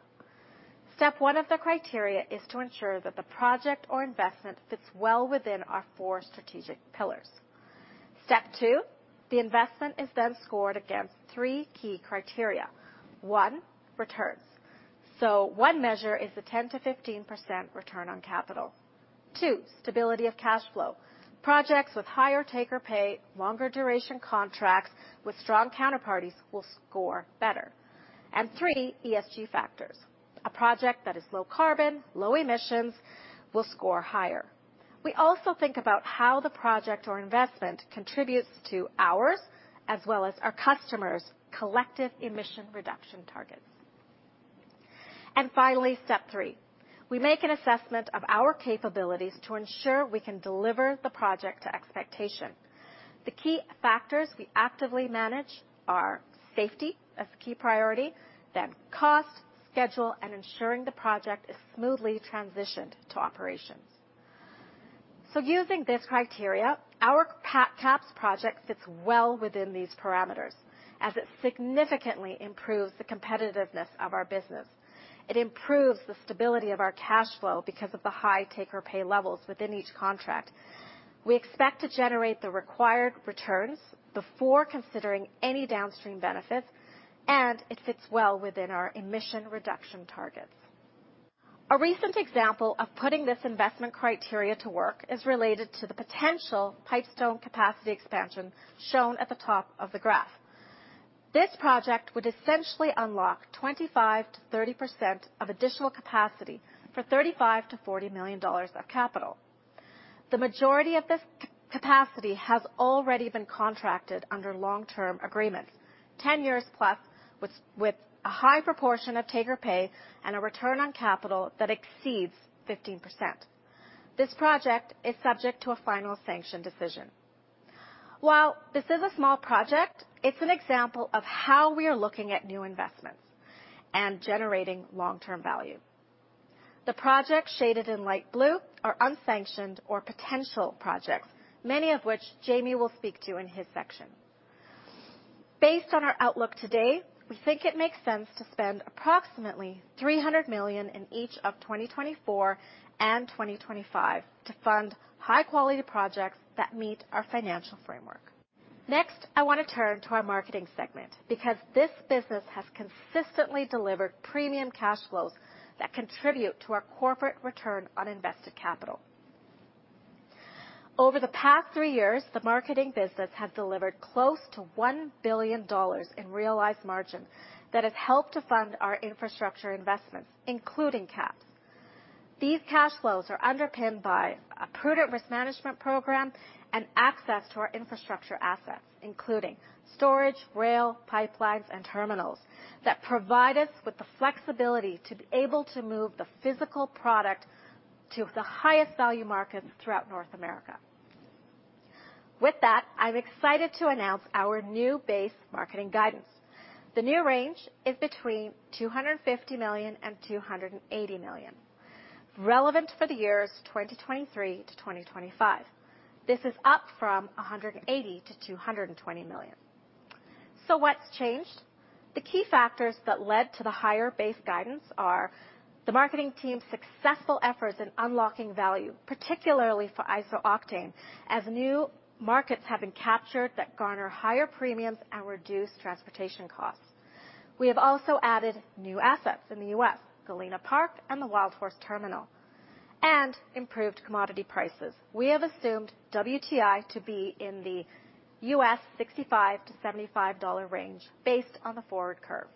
Step one of the criteria is to ensure that the project or investment fits well within our four strategic pillars. Step two, the investment is then scored against three key criteria. One, returns. One measure is the 10%-15% return on capital. Two, stability of cash flow. Projects with higher take-or-pay, longer duration contracts with strong counterparties will score better. Three, ESG factors. A project that is low carbon, low emissions will score higher. We also think about how the project or investment contributes to ours as well as our customers' collective emission reduction targets. Finally, step three, we make an assessment of our capabilities to ensure we can deliver the project to expectation. The key factors we actively manage are safety as a key priority, then cost, schedule, and ensuring the project is smoothly transitioned to operations. Using this criteria, our KAPS project fits well within these parameters as it significantly improves the competitiveness of our business. It improves the stability of our cash flow because of the high take-or-pay levels within each contract. We expect to generate the required returns before considering any downstream benefits, and it fits well within our emission reduction targets. A recent example of putting this investment criteria to work is related to the potential Pipestone capacity expansion shown at the top of the graph. This project would essentially unlock 25%-30% of additional capacity for 35 million-40 million dollars of capital. The majority of this capacity has already been contracted under long-term agreements, 10+ years, with a high proportion of take-or-pay and a return on capital that exceeds 15%. This project is subject to a final sanction decision. While this is a small project, it's an example of how we are looking at new investments and generating long-term value. The projects shaded in light blue are unsanctioned or potential projects, many of which Jamie will speak to in his section. Based on our outlook today, we think it makes sense to spend approximately 300 million in each of 2024 and 2025 to fund high-quality projects that meet our financial framework. Next, I wanna turn to our Marketing segment because this business has consistently delivered premium cash flows that contribute to our corporate return on invested capital. Over the past three years, the Marketing business has delivered close to 1 billion dollars in realized margin that has helped to fund our infrastructure investments, including KAPS. These cash flows are underpinned by a prudent risk management program and access to our infrastructure assets, including storage, rail, pipelines, and terminals that provide us with the flexibility to be able to move the physical product to the highest value markets throughout North America. With that, I'm excited to announce our new base Marketing guidance. The new range is between 250 million and 280 million, relevant for the years 2023 to 2025. This is up from 180 million-220 million. What's changed? The key factors that led to the higher base guidance are the marketing team's successful efforts in unlocking value, particularly for iso-octane, as new markets have been captured that garner higher premiums and reduce transportation costs. We have also added new assets in the U.S., Galena Park and the Wildhorse Terminal, and improved commodity prices. We have assumed WTI to be in the U.S. $65-$75 range based on the forward curve.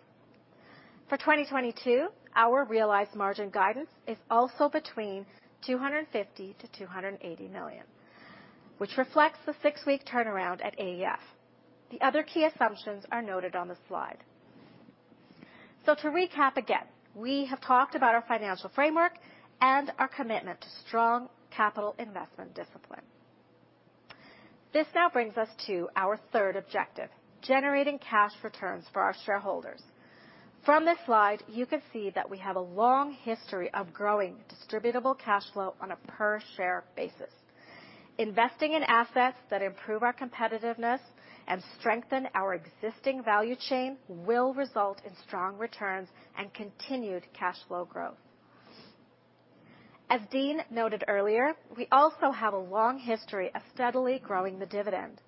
For 2022, our realized margin guidance is also between 250 million-280 million, which reflects the six-week turnaround at AEF. The other key assumptions are noted on the slide. To recap again, we have talked about our financial framework and our commitment to strong capital investment discipline. This now brings us to our third objective, generating cash returns for our shareholders. From this slide, you can see that we have a long history of growing distributable cash flow on a per share basis. Investing in assets that improve our competitiveness and strengthen our existing value chain will result in strong returns and continued cash flow growth. As Dean noted earlier, we also have a long history of steadily growing the dividend.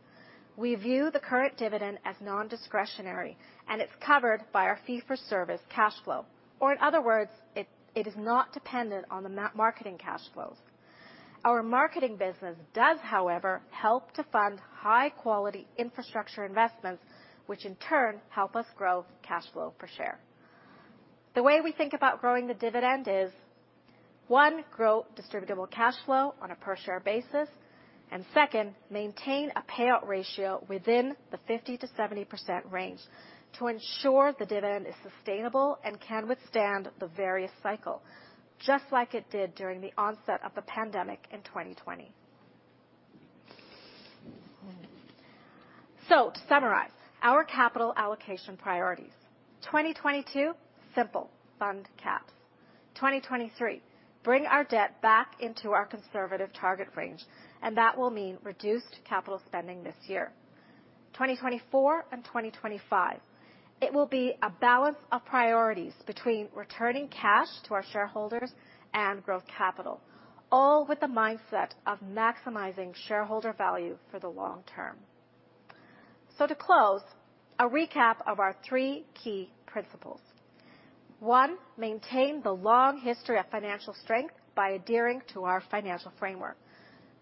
We view the current dividend as nondiscretionary, and it's covered by our fee-for-service cash flow, or in other words, it is not dependent on the Marketing cash flows. Our Marketing business does, however, help to fund high-quality infrastructure investments, which in turn help us grow cash flow per share. The way we think about growing the dividend is, one, grow distributable cash flow on a per share basis, and second, maintain a payout ratio within the 50%-70% range to ensure the dividend is sustainable and can withstand the various cycles, just like it did during the onset of the pandemic in 2020. To summarize, our capital allocation priorities. 2022, simple, fund CapEx. 2023, bring our debt back into our conservative target range, and that will mean reduced capital spending this year. 2024 and 2025, it will be a balance of priorities between returning cash to our shareholders and growth capital, all with the mindset of maximizing shareholder value for the long term. To close, a recap of our three key principles. One, maintain the long history of financial strength by adhering to our financial framework.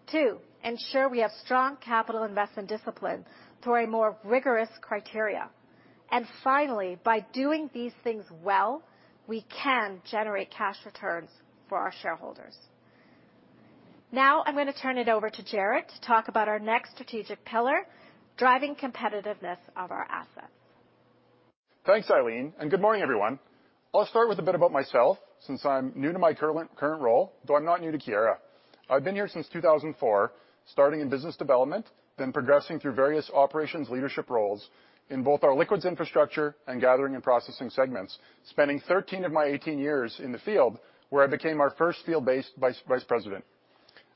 Two, ensure we have strong capital investment discipline through a more rigorous criteria. Finally, by doing these things well, we can generate cash returns for our shareholders. Now I'm gonna turn it over to Jarrod to talk about our next strategic pillar, driving competitiveness of our assets.
Thanks, Eileen, and good morning, everyone. I'll start with a bit about myself since I'm new to my current role, though I'm not new to Keyera. I've been here since 2004, starting in business development, then progressing through various operations leadership roles in both our Liquids Infrastructure and Gathering and Processing segments, spending 13 of my 18 years in the field where I became our first field-based vice president.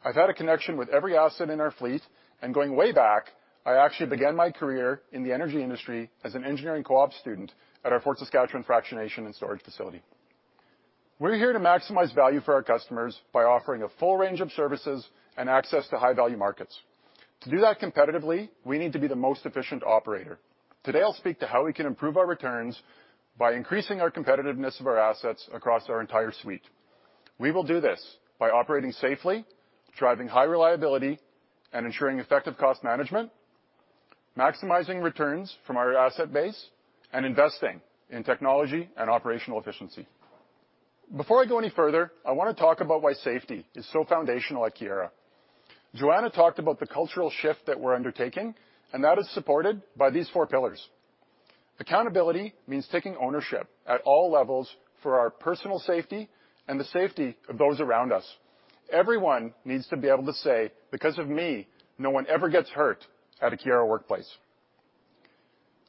I've had a connection with every asset in our fleet and going way back, I actually began my career in the energy industry as an engineering co-op student at our Fort Saskatchewan fractionation and storage facility. We're here to maximize value for our customers by offering a full range of services and access to high-value markets. To do that competitively, we need to be the most efficient operator. Today, I'll speak to how we can improve our returns by increasing our competitiveness of our assets across our entire suite. We will do this by operating safely, driving high reliability and ensuring effective cost management, maximizing returns from our asset base, and investing in technology and operational efficiency. Before I go any further, I wanna talk about why safety is so foundational at Keyera. Joanna talked about the cultural shift that we're undertaking, and that is supported by these four pillars. Accountability means taking ownership at all levels for our personal safety and the safety of those around us. Everyone needs to be able to say, "Because of me, no one ever gets hurt at a Keyera workplace."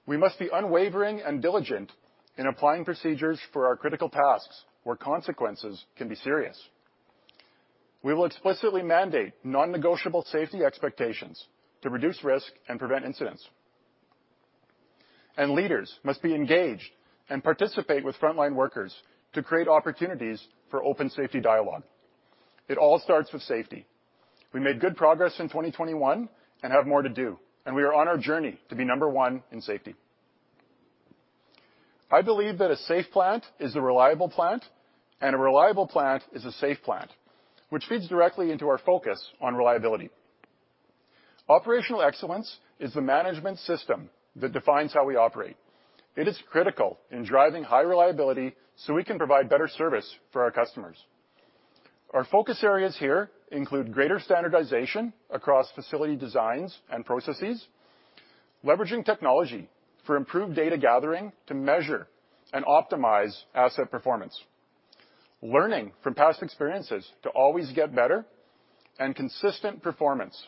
We must be unwavering and diligent in applying procedures for our critical tasks where consequences can be serious. We will explicitly mandate non-negotiable safety expectations to reduce risk and prevent incidents. Leaders must be engaged and participate with frontline workers to create opportunities for open safety dialogue. It all starts with safety. We made good progress in 2021 and have more to do, and we are on our journey to be number one in safety. I believe that a safe plant is a reliable plant, and a reliable plant is a safe plant, which feeds directly into our focus on reliability. Operational excellence is the management system that defines how we operate. It is critical in driving high reliability so we can provide better service for our customers. Our focus areas here include greater standardization across facility designs and processes, leveraging technology for improved data gathering to measure and optimize asset performance, learning from past experiences to always get better and consistent performance,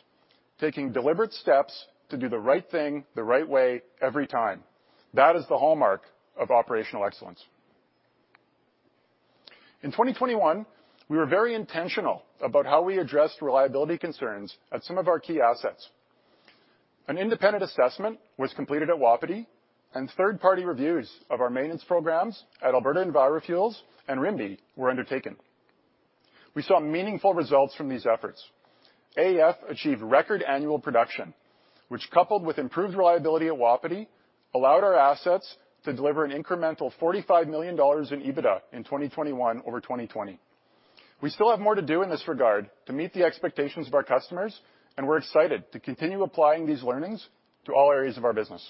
taking deliberate steps to do the right thing the right way every time. That is the hallmark of operational excellence. In 2021, we were very intentional about how we addressed reliability concerns at some of our key assets. An independent assessment was completed at Wapiti, and third-party reviews of our maintenance programs at Alberta EnviroFuels and Rimbey were undertaken. We saw meaningful results from these efforts. AEF achieved record annual production, which, coupled with improved reliability at Wapiti, allowed our assets to deliver an incremental 45 million dollars in EBITDA in 2021 over 2020. We still have more to do in this regard to meet the expectations of our customers, and we're excited to continue applying these learnings to all areas of our business.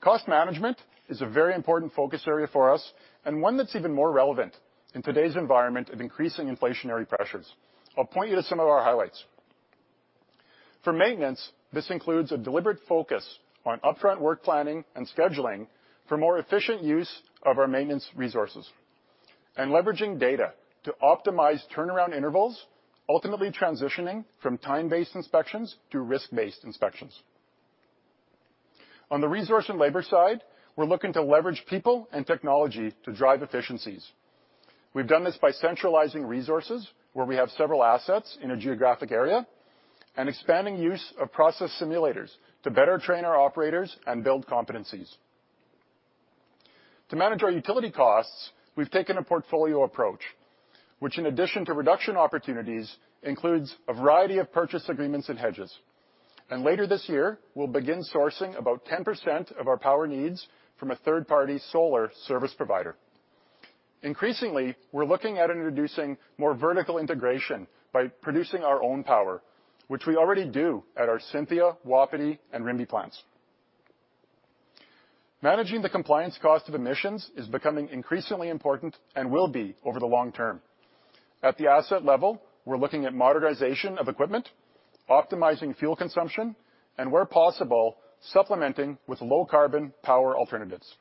Cost management is a very important focus area for us and one that's even more relevant in today's environment of increasing inflationary pressures. I'll point you to some of our highlights. For maintenance, this includes a deliberate focus on upfront work planning and scheduling for more efficient use of our maintenance resources and leveraging data to optimize turnaround intervals, ultimately transitioning from time-based inspections to risk-based inspections. On the resource and labor side, we're looking to leverage people and technology to drive efficiencies. We've done this by centralizing resources where we have several assets in a geographic area and expanding use of process simulators to better train our operators and build competencies. To manage our utility costs, we've taken a portfolio approach, which in addition to reduction opportunities, includes a variety of purchase agreements and hedges. Later this year, we'll begin sourcing about 10% of our power needs from a third-party solar service provider. Increasingly, we're looking at introducing more vertical integration by producing our own power, which we already do at our Cynthia, Wapiti, and Rimbey plants. Managing the compliance cost of emissions is becoming increasingly important and will be over the long term. At the asset level, we're looking at modernization of equipment, optimizing fuel consumption, and where possible, supplementing with low-carbon power alternatives.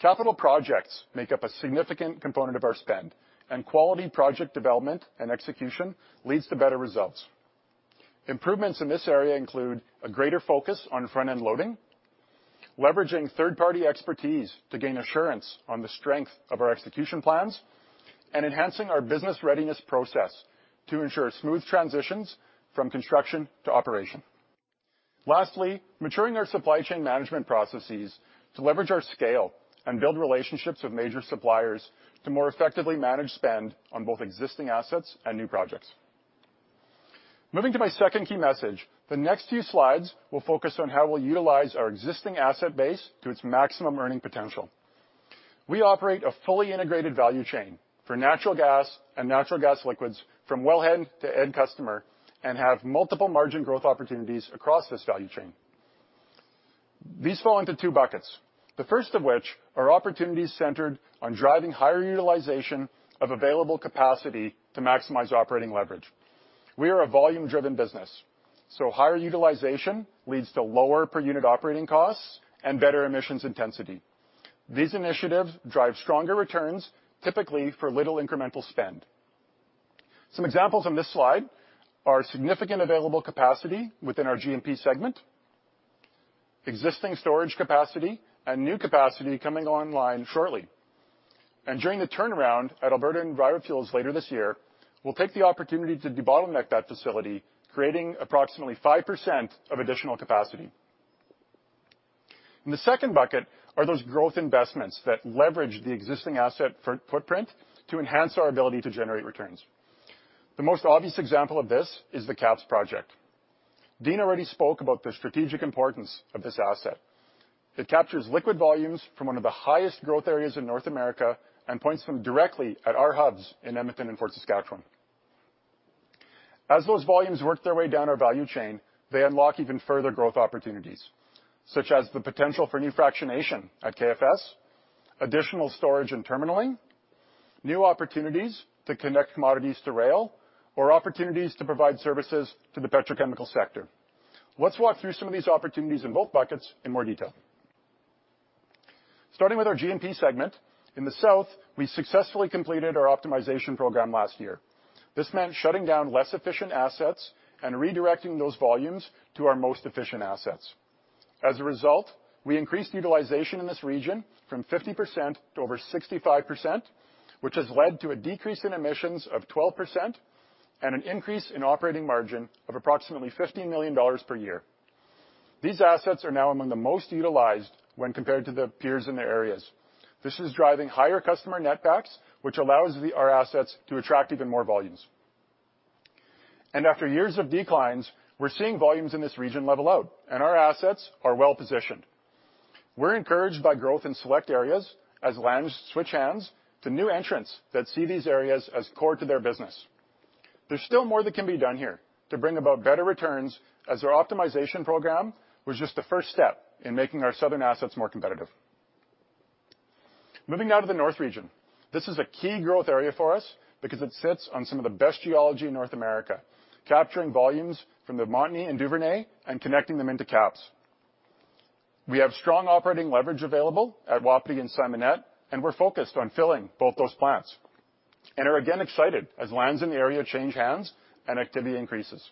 Capital projects make up a significant component of our spend, and quality project development and execution leads to better results. Improvements in this area include a greater focus on front-end loading, leveraging third-party expertise to gain assurance on the strength of our execution plans, and enhancing our business readiness process to ensure smooth transitions from construction to operation, lastly maturing our supply chain management processes to leverage our scale and build relationships with major suppliers to more effectively manage spend on both existing assets and new projects. Moving to my second key message, the next few slides will focus on how we'll utilize our existing asset base to its maximum earning potential. We operate a fully integrated value chain for natural gas and natural gas liquids from wellhead to end customer and have multiple margin growth opportunities across this value chain. These fall into two buckets, the first of which are opportunities centered on driving higher utilization of available capacity to maximize operating leverage. We are a volume-driven business, so higher utilization leads to lower per unit operating costs and better emissions intensity. These initiatives drive stronger returns, typically for little incremental spend. Some examples on this slide are significant available capacity within our G&P segment, existing storage capacity, and new capacity coming online shortly. During the turnaround at Alberta EnviroFuels later this year, we'll take the opportunity to debottleneck that facility, creating approximately 5% additional capacity. In the second bucket are those growth investments that leverage the existing asset footprint to enhance our ability to generate returns. The most obvious example of this is the KAPS project. Dean already spoke about the strategic importance of this asset. It captures liquid volumes from one of the highest growth areas in North America, and points them directly at our hubs in Edmonton and Fort Saskatchewan. As those volumes work their way down our value chain, they unlock even further growth opportunities, such as the potential for new fractionation at KFS, additional storage and terminaling, new opportunities to connect commodities to rail or opportunities to provide services to the petrochemical sector. Let's walk through some of these opportunities in both buckets in more detail. Starting with our G&P segment, in the South, we successfully completed our optimization program last year. This meant shutting down less efficient assets and redirecting those volumes to our most efficient assets. As a result, we increased utilization in this region from 50% to over 65%, which has led to a decrease in emissions of 12% and an increase in operating margin of approximately CAD 15 million per year. These assets are now among the most utilized when compared to their peers in their areas. This is driving higher customer netbacks, which allows our assets to attract even more volumes. After years of declines, we're seeing volumes in this region level out, and our assets are well-positioned. We're encouraged by growth in select areas as lands switch hands to new entrants that see these areas as core to their business. There's still more that can be done here to bring about better returns, as our optimization program was just the first step in making our Southern assets more competitive. Moving now to the North region, this is a key growth area for us because it sits on some of the best geology in North America, capturing volumes from the Montney and Duvernay and connecting them into KAPS. We have strong operating leverage available at Wapiti and Simonette, and we're focused on filling both those plants and are again excited as lands in the area change hands and activity increases.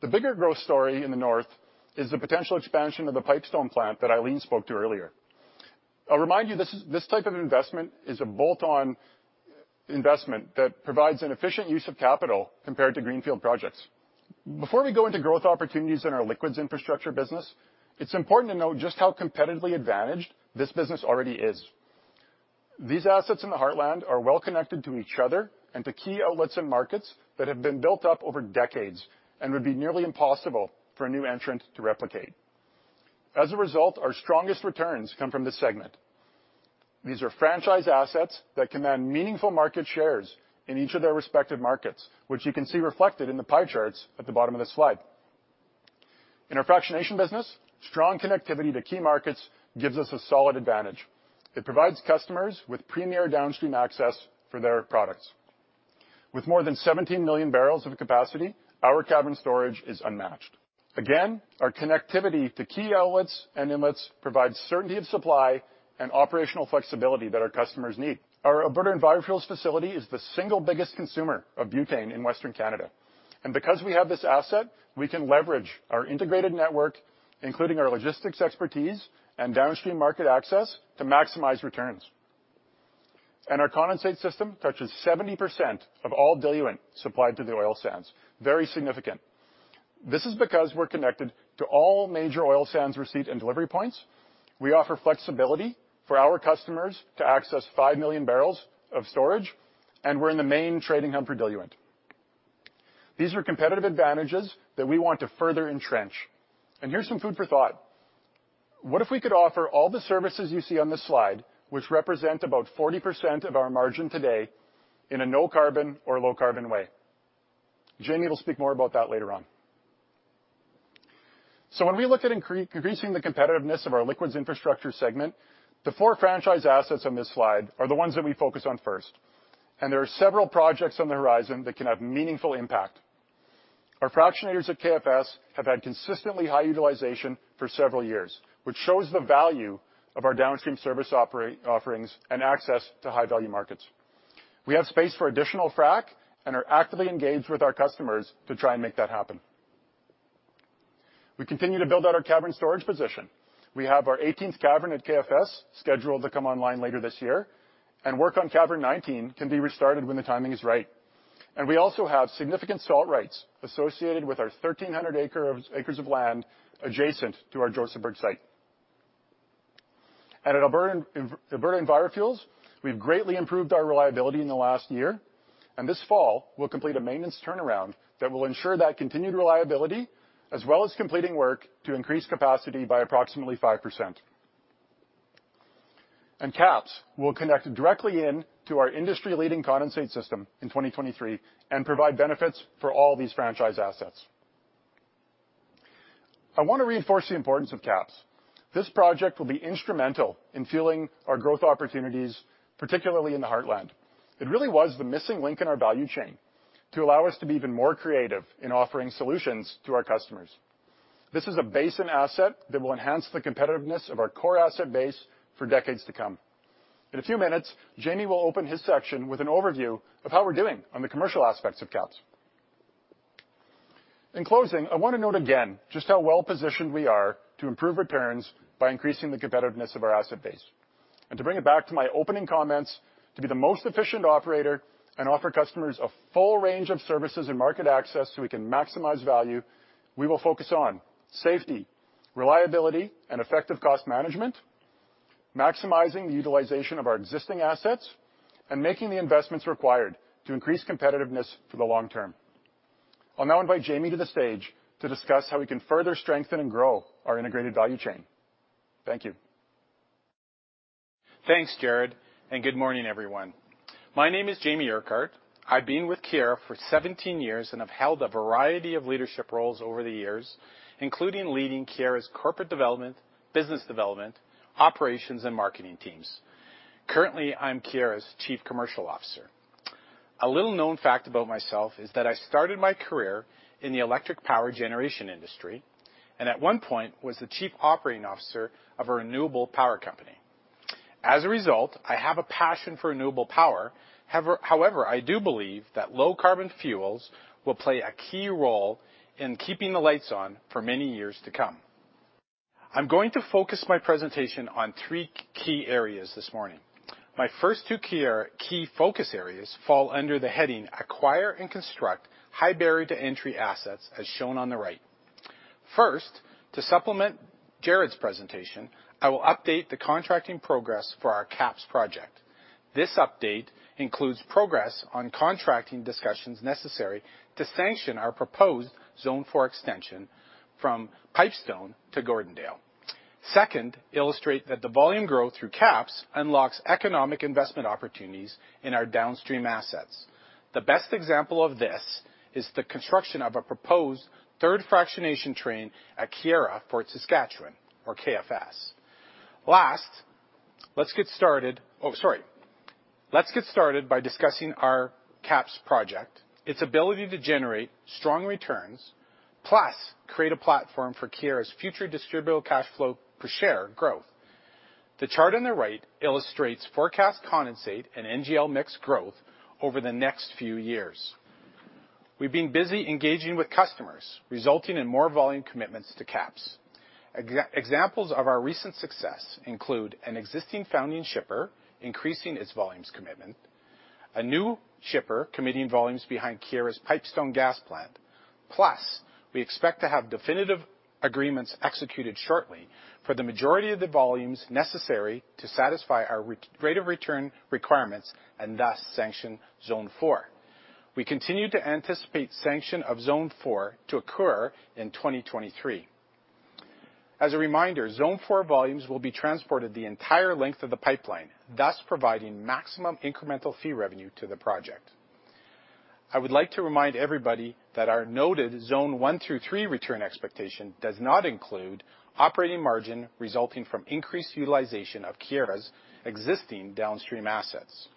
The bigger growth story in the North is the potential expansion of the Pipestone plant that Eileen spoke to earlier. I'll remind you this type of investment is a bolt-on investment that provides an efficient use of capital compared to greenfield projects. Before we go into growth opportunities in our Liquids Infrastructure business, it's important to note just how competitively advantaged this business already is. These assets in the Heartland are well-connected to each other and to key outlets and markets that have been built up over decades and would be nearly impossible for a new entrant to replicate. As a result, our strongest returns come from this segment. These are franchise assets that command meaningful market shares in each of their respective markets, which you can see reflected in the pie charts at the bottom of this slide. In our fractionation business, strong connectivity to key markets gives us a solid advantage. It provides customers with premier downstream access for their products. With more than 17 million barrels of capacity, our cavern storage is unmatched. Again, our connectivity to key outlets and inlets provides certainty of supply and operational flexibility that our customers need. Our Alberta EnviroFuels facility is the single biggest consumer of butane in Western Canada, and because we have this asset, we can leverage our integrated network, including our logistics expertise and downstream market access to maximize returns. Our condensate system touches 70% of all diluent supplied to the oil sands, very significant. This is because we're connected to all major oil sands receipt and delivery points. We offer flexibility for our customers to access 5 million barrels of storage, and we're in the main trading hub for diluent. These are competitive advantages that we want to further entrench. Here's some food for thought. What if we could offer all the services you see on this slide, which represent about 40% of our margin today in a no-carbon or low-carbon way? Jamie will speak more about that later on. When we look at increasing the competitiveness of our Liquids Infrastructure segment, the four franchise assets on this slide are the ones that we focus on first, and there are several projects on the horizon that can have meaningful impact. Our fractionators at KFS have had consistently high utilization for several years, which shows the value of our downstream service offerings and access to high-value markets. We have space for additional frac and are actively engaged with our customers to try and make that happen. We continue to build out our cavern storage position. We have our 18th cavern at KFS scheduled to come online later this year, and work on cavern 19 can be restarted when the timing is right. We also have significant salt rights associated with our 1,300 acres of land adjacent to our Josephburg site. At Alberta EnviroFuels, we've greatly improved our reliability in the last year, and this fall, we'll complete a maintenance turnaround that will ensure that continued reliability, as well as completing work to increase capacity by approximately 5%. KAPS will connect directly into our industry-leading condensate system in 2023 and provide benefits for all these franchise assets. I wanna reinforce the importance of KAPS. This project will be instrumental in fueling our growth opportunities, particularly in the Heartland. It really was the missing link in our value chain to allow us to be even more creative in offering solutions to our customers. This is a basin asset that will enhance the competitiveness of our core asset base for decades to come. In a few minutes, Jamie will open his section with an overview of how we're doing on the commercial aspects of KAPS. In closing, I wanna note again just how well-positioned we are to improve returns by increasing the competitiveness of our asset base. To bring it back to my opening comments, to be the most efficient operator and offer customers a full range of services and market access so we can maximize value, we will focus on safety, reliability, and effective cost management, maximizing the utilization of our existing assets and making the investments required to increase competitiveness for the long term. I'll now invite Jamie to the stage to discuss how we can further strengthen and grow our integrated value chain. Thank you.
Thanks, Jarrod, and good morning, everyone. My name is Jamie Urquhart. I've been with Keyera for 17 years and have held a variety of leadership roles over the years, including leading Keyera's corporate development, business development, operations, and marketing teams. Currently, I'm Keyera's Chief Commercial Officer. A little known fact about myself is that I started my career in the electric power generation industry, and at one point was the chief operating officer of a renewable power company. As a result, I have a passion for renewable power. However, I do believe that low carbon fuels will play a key role in keeping the lights on for many years to come. I'm going to focus my presentation on three key areas this morning. My first two Keyera key focus areas fall under the heading acquire and construct high barrier to entry assets as shown on the right. First, to supplement Jarrod's presentation, I will update the contracting progress for our KAPS project. This update includes progress on contracting discussions necessary to sanction our proposed Zone 4 extension from Pipestone to Gordondale. Second, illustrate that the volume growth through KAPS unlocks economic investment opportunities in our downstream assets. The best example of this is the construction of a proposed third fractionation train at Keyera Fort Saskatchewan or KFS. Oh, sorry. Let's get started by discussing our KAPS project, its ability to generate strong returns, plus create a platform for Keyera's future distributable cash flow per share growth. The chart on the right illustrates forecast condensate and NGL mix growth over the next few years. We've been busy engaging with customers, resulting in more volume commitments to KAPS. Examples of our recent success include an existing founding shipper increasing its volumes commitment, a new shipper committing volumes behind Keyera's Pipestone gas plant. Plus, we expect to have definitive agreements executed shortly for the majority of the volumes necessary to satisfy our rate of return requirements, and thus sanction Zone 4. We continue to anticipate sanction of Zone 4 to occur in 2023. As a reminder, Zone 4 volumes will be transported the entire length of the pipeline, thus providing maximum incremental fee revenue to the project. I would like to remind everybody that our noted Zone 1 through 3 return expectation does not include operating margin resulting from increased utilization of Keyera's existing downstream assets.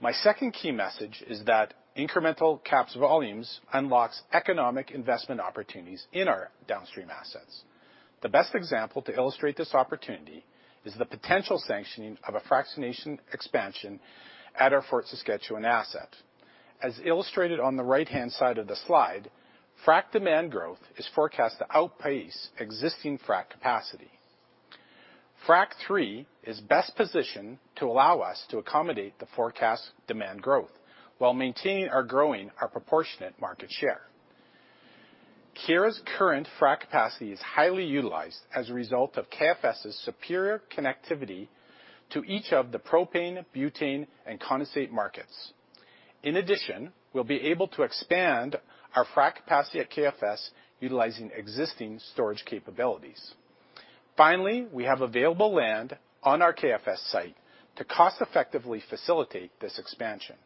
My second key message is that incremental KAPS volumes unlocks economic investment opportunities in our downstream assets. The best example to illustrate this opportunity is the potential sanctioning of a fractionation expansion at our Fort Saskatchewan asset. As illustrated on the right-hand side of the slide, frac demand growth is forecast to outpace existing frac capacity. Frac III is best positioned to allow us to accommodate the forecast demand growth while maintaining or growing our proportionate market share. Keyera's current frac capacity is highly utilized as a result of KFS's superior connectivity to each of the propane, butane, and condensate markets. In addition, we'll be able to expand our frac capacity at KFS utilizing existing storage capabilities. Finally, we have available land on our KFS site to cost-effectively facilitate this expansion.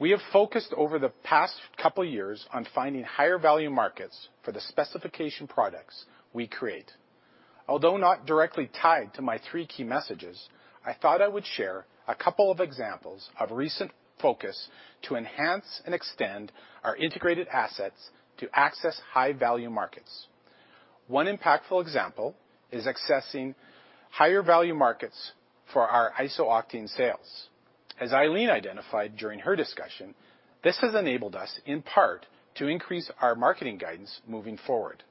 We have focused over the past couple years on finding higher value markets for the specification products we create. Although not directly tied to my three key messages, I thought I would share a couple of examples of recent focus to enhance and extend our integrated assets to access high-value markets. One impactful example is accessing higher value markets for our iso-octane sales. As Eileen identified during her discussion, this has enabled us, in part, to increase our marketing guidance moving forward.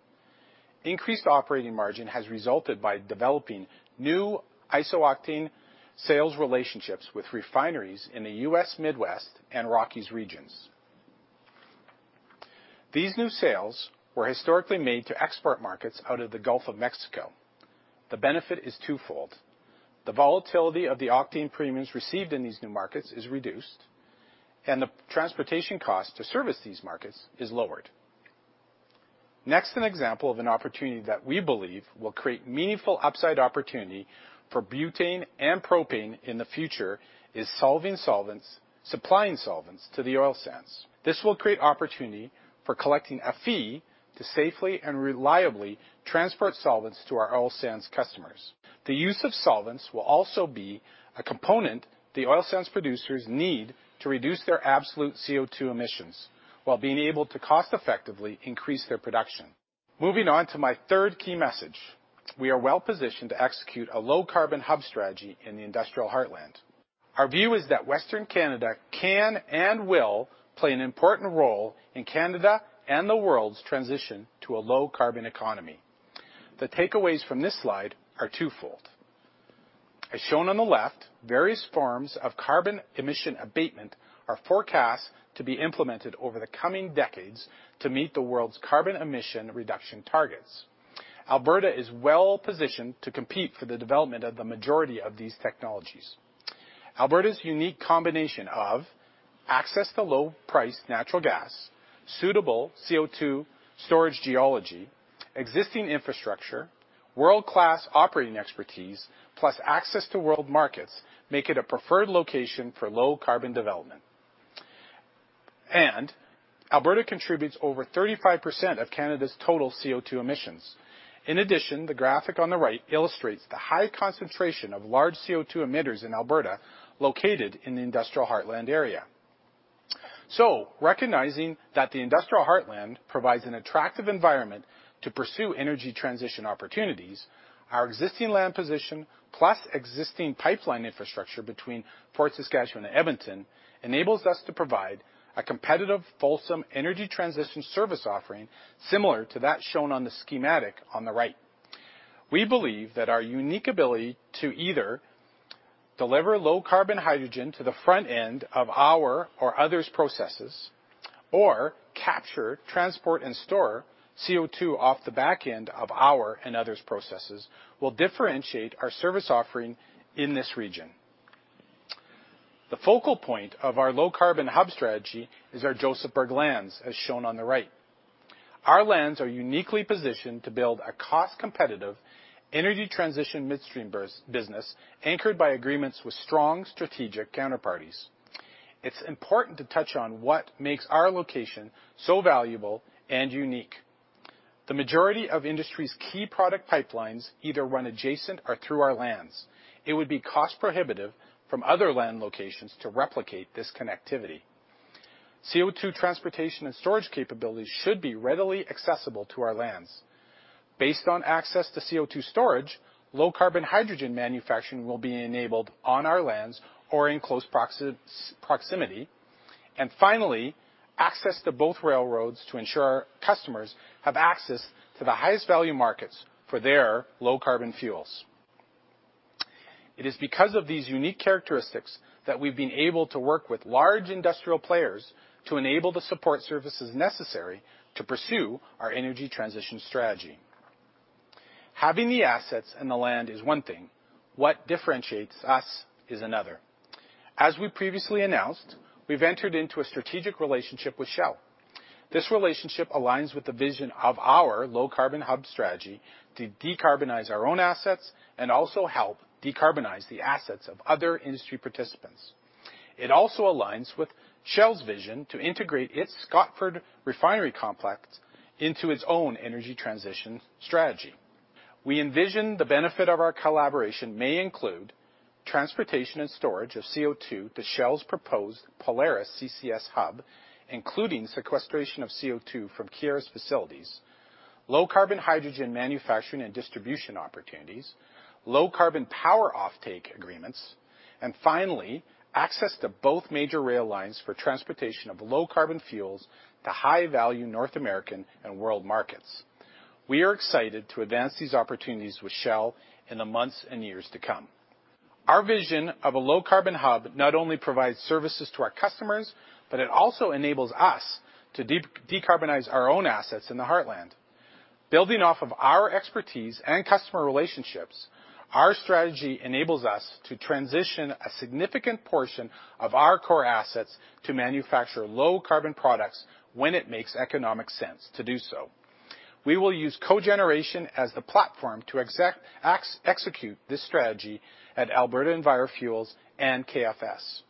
Increased operating margin has resulted by developing new iso-octane sales relationships with refineries in the U.S. Midwest and Rockies regions. These new sales were historically made to export markets out of the Gulf of Mexico. The benefit is twofold. The volatility of the octane premiums received in these new markets is reduced, and the transportation cost to service these markets is lowered. Next, an example of an opportunity that we believe will create meaningful upside opportunity for butane and propane in the future is supplying solvents to the oil sands. This will create opportunity for collecting a fee to safely and reliably transport solvents to our oil sands customers. The use of solvents will also be a component of the oil sands producers need to reduce their absolute CO2 emissions while being able to cost-effectively increase their production. Moving on to my third key message. We are well-positioned to execute a low-carbon hub strategy in the industrial heartland. Our view is that Western Canada can and will play an important role in Canada and the world's transition to a low-carbon economy. The takeaways from this slide are twofold. As shown on the left, various forms of carbon emission abatement are forecast to be implemented over the coming decades to meet the world's carbon emission reduction targets. Alberta is well-positioned to compete for the development of the majority of these technologies. Alberta's unique combination of access to low-priced natural gas, suitable CO2 storage geology, existing infrastructure, world-class operating expertise, plus access to world markets make it a preferred location for low carbon development. Alberta contributes over 35% of Canada's total CO2 emissions. In addition, the graphic on the right illustrates the high concentration of large CO2 emitters in Alberta located in the Industrial Heartland area. Recognizing that the Industrial Heartland provides an attractive environment to pursue energy transition opportunities, our existing land position plus existing pipeline infrastructure between Fort Saskatchewan and Edmonton enables us to provide a competitive fulsome energy transition service offering similar to that shown on the schematic on the right. We believe that our unique ability to either deliver low-carbon hydrogen to the front end of our or others' processes or capture, transport, and store CO2 off the back end of our and others' processes will differentiate our service offering in this region. The focal point of our low-carbon hub strategy is our Josephburg lands, as shown on the right. Our lands are uniquely positioned to build a cost-competitive energy transition midstream business anchored by agreements with strong strategic counterparties. It's important to touch on what makes our location so valuable and unique. The majority of industry's key product pipelines either run adjacent or through our lands. It would be cost-prohibitive from other land locations to replicate this connectivity. CO2 transportation and storage capabilities should be readily accessible to our lands. Based on access to CO2 storage, low carbon hydrogen manufacturing will be enabled on our lands or in close proximity. Finally, access to both railroads to ensure our customers have access to the highest value markets for their low carbon fuels. It is because of these unique characteristics that we've been able to work with large industrial players to enable the support services necessary to pursue our energy transition strategy. Having the assets and the land is one thing. What differentiates us is another. As we previously announced, we've entered into a strategic relationship with Shell. This relationship aligns with the vision of our low-carbon hub strategy to decarbonize our own assets and also help decarbonize the assets of other industry participants. It also aligns with Shell's vision to integrate its Scotford Refinery complex into its own energy transition strategy. We envision the benefit of our collaboration may include transportation and storage of CO2 to Shell's proposed Polaris CCS hub, including sequestration of CO2 from Keyera's facilities, low carbon hydrogen manufacturing and distribution opportunities, low carbon power offtake agreements, and finally, access to both major rail lines for transportation of low carbon fuels to high-value North American and world markets. We are excited to advance these opportunities with Shell in the months and years to come. Our vision of a low-carbon hub not only provides services to our customers, but it also enables us to decarbonize our own assets in the Heartland. Building off of our expertise and customer relationships, our strategy enables us to transition a significant portion of our core assets to manufacture low-carbon products when it makes economic sense to do so. We will use cogeneration as the platform to execute this strategy at Alberta EnviroFuels and KFS.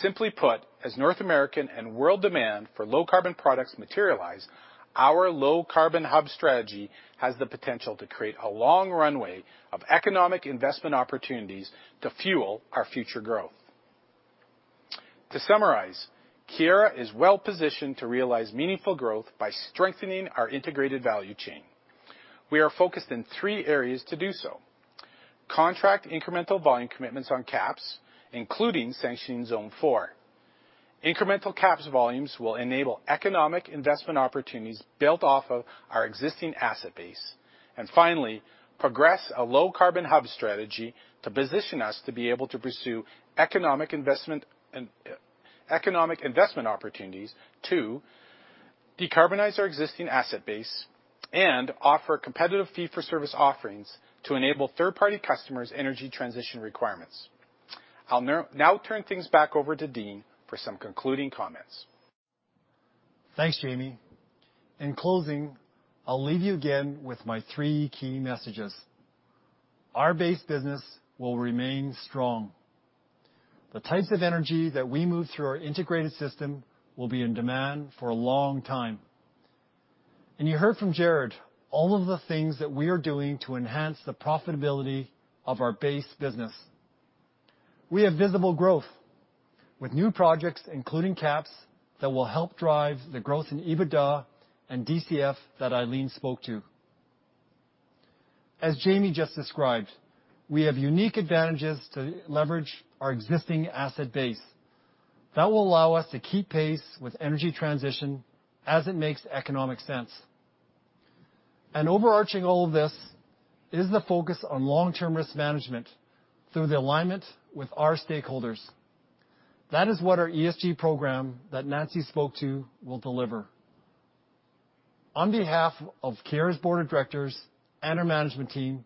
Simply put, as North American and world demand for low-carbon products materialize, our low-carbon hub strategy has the potential to create a long runway of economic investment opportunities to fuel our future growth. To summarize, Keyera is well-positioned to realize meaningful growth by strengthening our integrated value chain. We are focused in three areas to do so. Contract incremental volume commitments on KAPS, including sanction Zone 4. Incremental KAPS volumes will enable economic investment opportunities built off of our existing asset base. Finally, progress a low-carbon hub strategy to position us to be able to pursue economic investment opportunities to decarbonize our existing asset base and offer competitive fee-for-service offerings to enable third-party customers' energy transition requirements. I'll now turn things back over to Dean for some concluding comments.
Thanks, Jamie. In closing, I'll leave you again with my three key messages. Our base business will remain strong. The types of energy that we move through our integrated system will be in demand for a long time. You heard from Jarrod all of the things that we are doing to enhance the profitability of our base business. We have visible growth with new projects, including KAPS, that will help drive the growth in EBITDA and DCF that Eileen spoke to. As Jamie just described, we have unique advantages to leverage our existing asset base. That will allow us to keep pace with energy transition as it makes economic sense. Overarching all of this is the focus on long-term risk management through the alignment with our stakeholders. That is what our ESG program that Nancy spoke to will deliver. On behalf of Keyera's board of directors and our management team,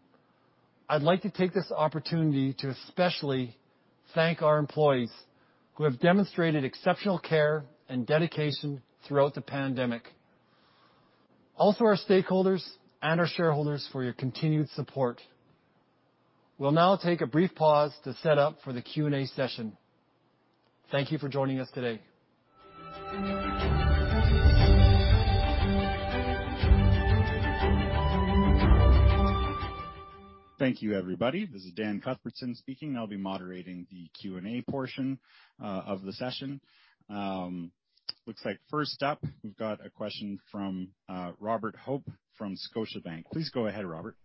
I'd like to take this opportunity to especially thank our employees who have demonstrated exceptional care and dedication throughout the pandemic. Also, our stakeholders and our shareholders for your continued support. We'll now take a brief pause to set up for the Q&A session. Thank you for joining us today.
Thank you, everybody. This is Dan Cuthbertson speaking. I'll be moderating the Q&A portion of the session. Looks like first up, we've got a question from Robert Hope from Scotiabank. Please go ahead, Robert.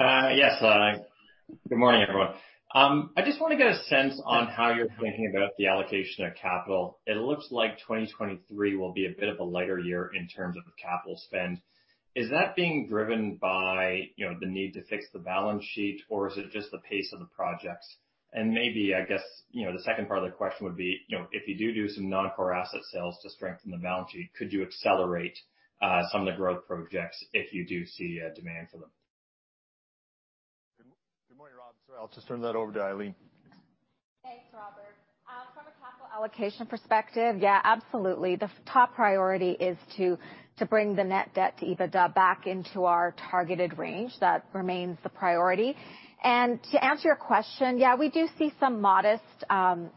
Yes. Good morning, everyone. I just wanna get a sense on how you're thinking about the allocation of capital. It looks like 2023 will be a bit of a lighter year in terms of capital spend. Is that being driven by, you know, the need to fix the balance sheet, or is it just the pace of the projects? Maybe, I guess, you know, the second part of the question would be, you know, if you do some non-core asset sales to strengthen the balance sheet, could you accelerate some of the growth projects if you do see demand for them?
Good morning, Rob. I'll just turn that over to Eileen.
Thanks, Robert. From a capital allocation perspective, yeah, absolutely. The top priority is to bring the net debt to EBITDA back into our targeted range. That remains the priority. To answer your question, yeah, we do see some modest,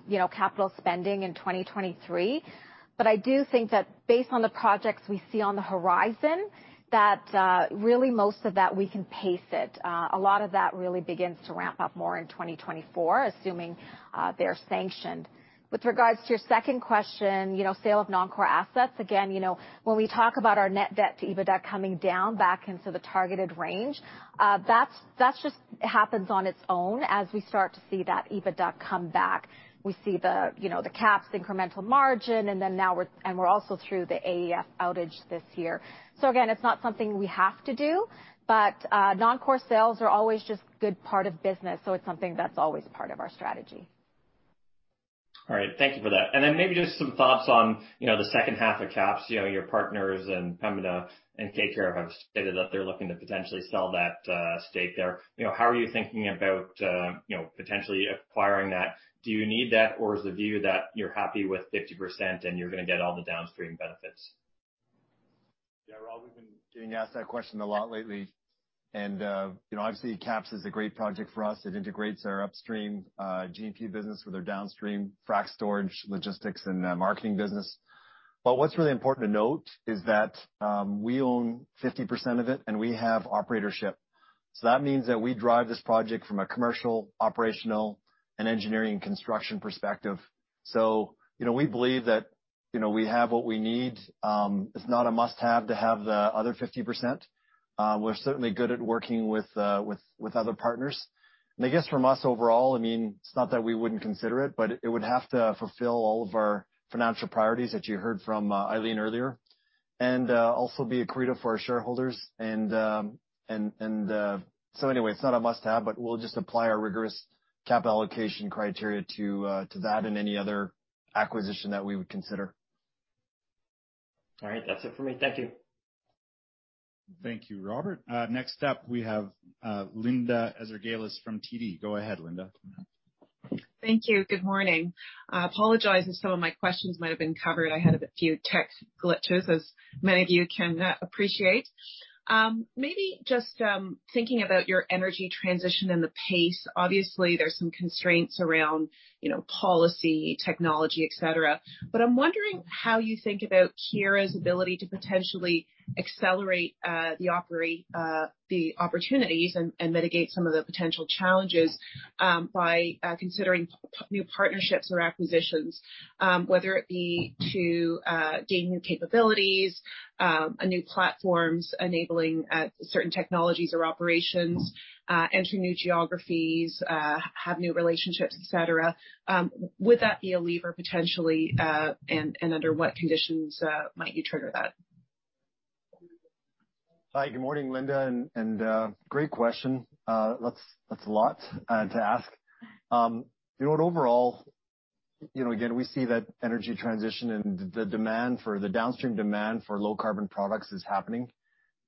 you know, capital spending in 2023, but I do think that based on the projects we see on the horizon, that really most of that we can pace it. A lot of that really begins to ramp up more in 2024, assuming they are sanctioned. With regards to your second question, you know, sale of non-core assets, again, you know, when we talk about our net debt to EBITDA coming down back into the targeted range, that's just happens on its own as we start to see that EBITDA come back. We see the, you know, the KAPS incremental margin, and then now we're also through the AEF outage this year. Again, it's not something we have to do, but non-core sales are always just a good part of business, so it's something that's always part of our strategy.
All right. Thank you for that. Then maybe just some thoughts on, you know, the second half of KAPS. You know, your partners in Pembina and Keyera have stated that they're looking to potentially sell that stake there. You know, how are you thinking about, you know, potentially acquiring that? Do you need that, or is the view that you're happy with 50% and you're gonna get all the downstream benefits?
Yeah, Rob, we've been getting asked that question a lot lately. You know, obviously, KAPS is a great project for us. It integrates our upstream G&P business with our downstream frac storage, logistics, and marketing business. What's really important to note is that we own 50% of it, and we have operatorship. That means that we drive this project from a commercial, operational, and engineering construction perspective. You know, we believe that you know, we have what we need. It's not a must-have to have the other 50%. We're certainly good at working with other partners. I guess from us overall, I mean, it's not that we wouldn't consider it, but it would have to fulfill all of our financial priorities that you heard from Eileen earlier, and also be accretive for our shareholders. Anyway, it's not a must-have, but we'll just apply our rigorous capital allocation criteria to that and any other acquisition that we would consider.
All right. That's it for me. Thank you.
Thank you, Robert. Next up, we have Linda Ezergailis from TD. Go ahead, Linda.
Thank you. Good morning. I apologize if some of my questions might have been covered. I had a few tech glitches, as many of you can appreciate. Maybe just thinking about your energy transition and the pace. Obviously, there's some constraints around, you know, policy, technology, et cetera. I'm wondering how you think about Keyera's ability to potentially accelerate the opportunities and mitigate some of the potential challenges by considering new partnerships or acquisitions, whether it be to gain new capabilities, new platforms enabling certain technologies or operations, enter new geographies, have new relationships, et cetera. Would that be a lever potentially, and under what conditions might you trigger that?
Hi. Good morning, Linda, and great question. That's a lot to ask. You know, overall, you know, again, we see that energy transition and the demand for the downstream demand for low carbon products is happening.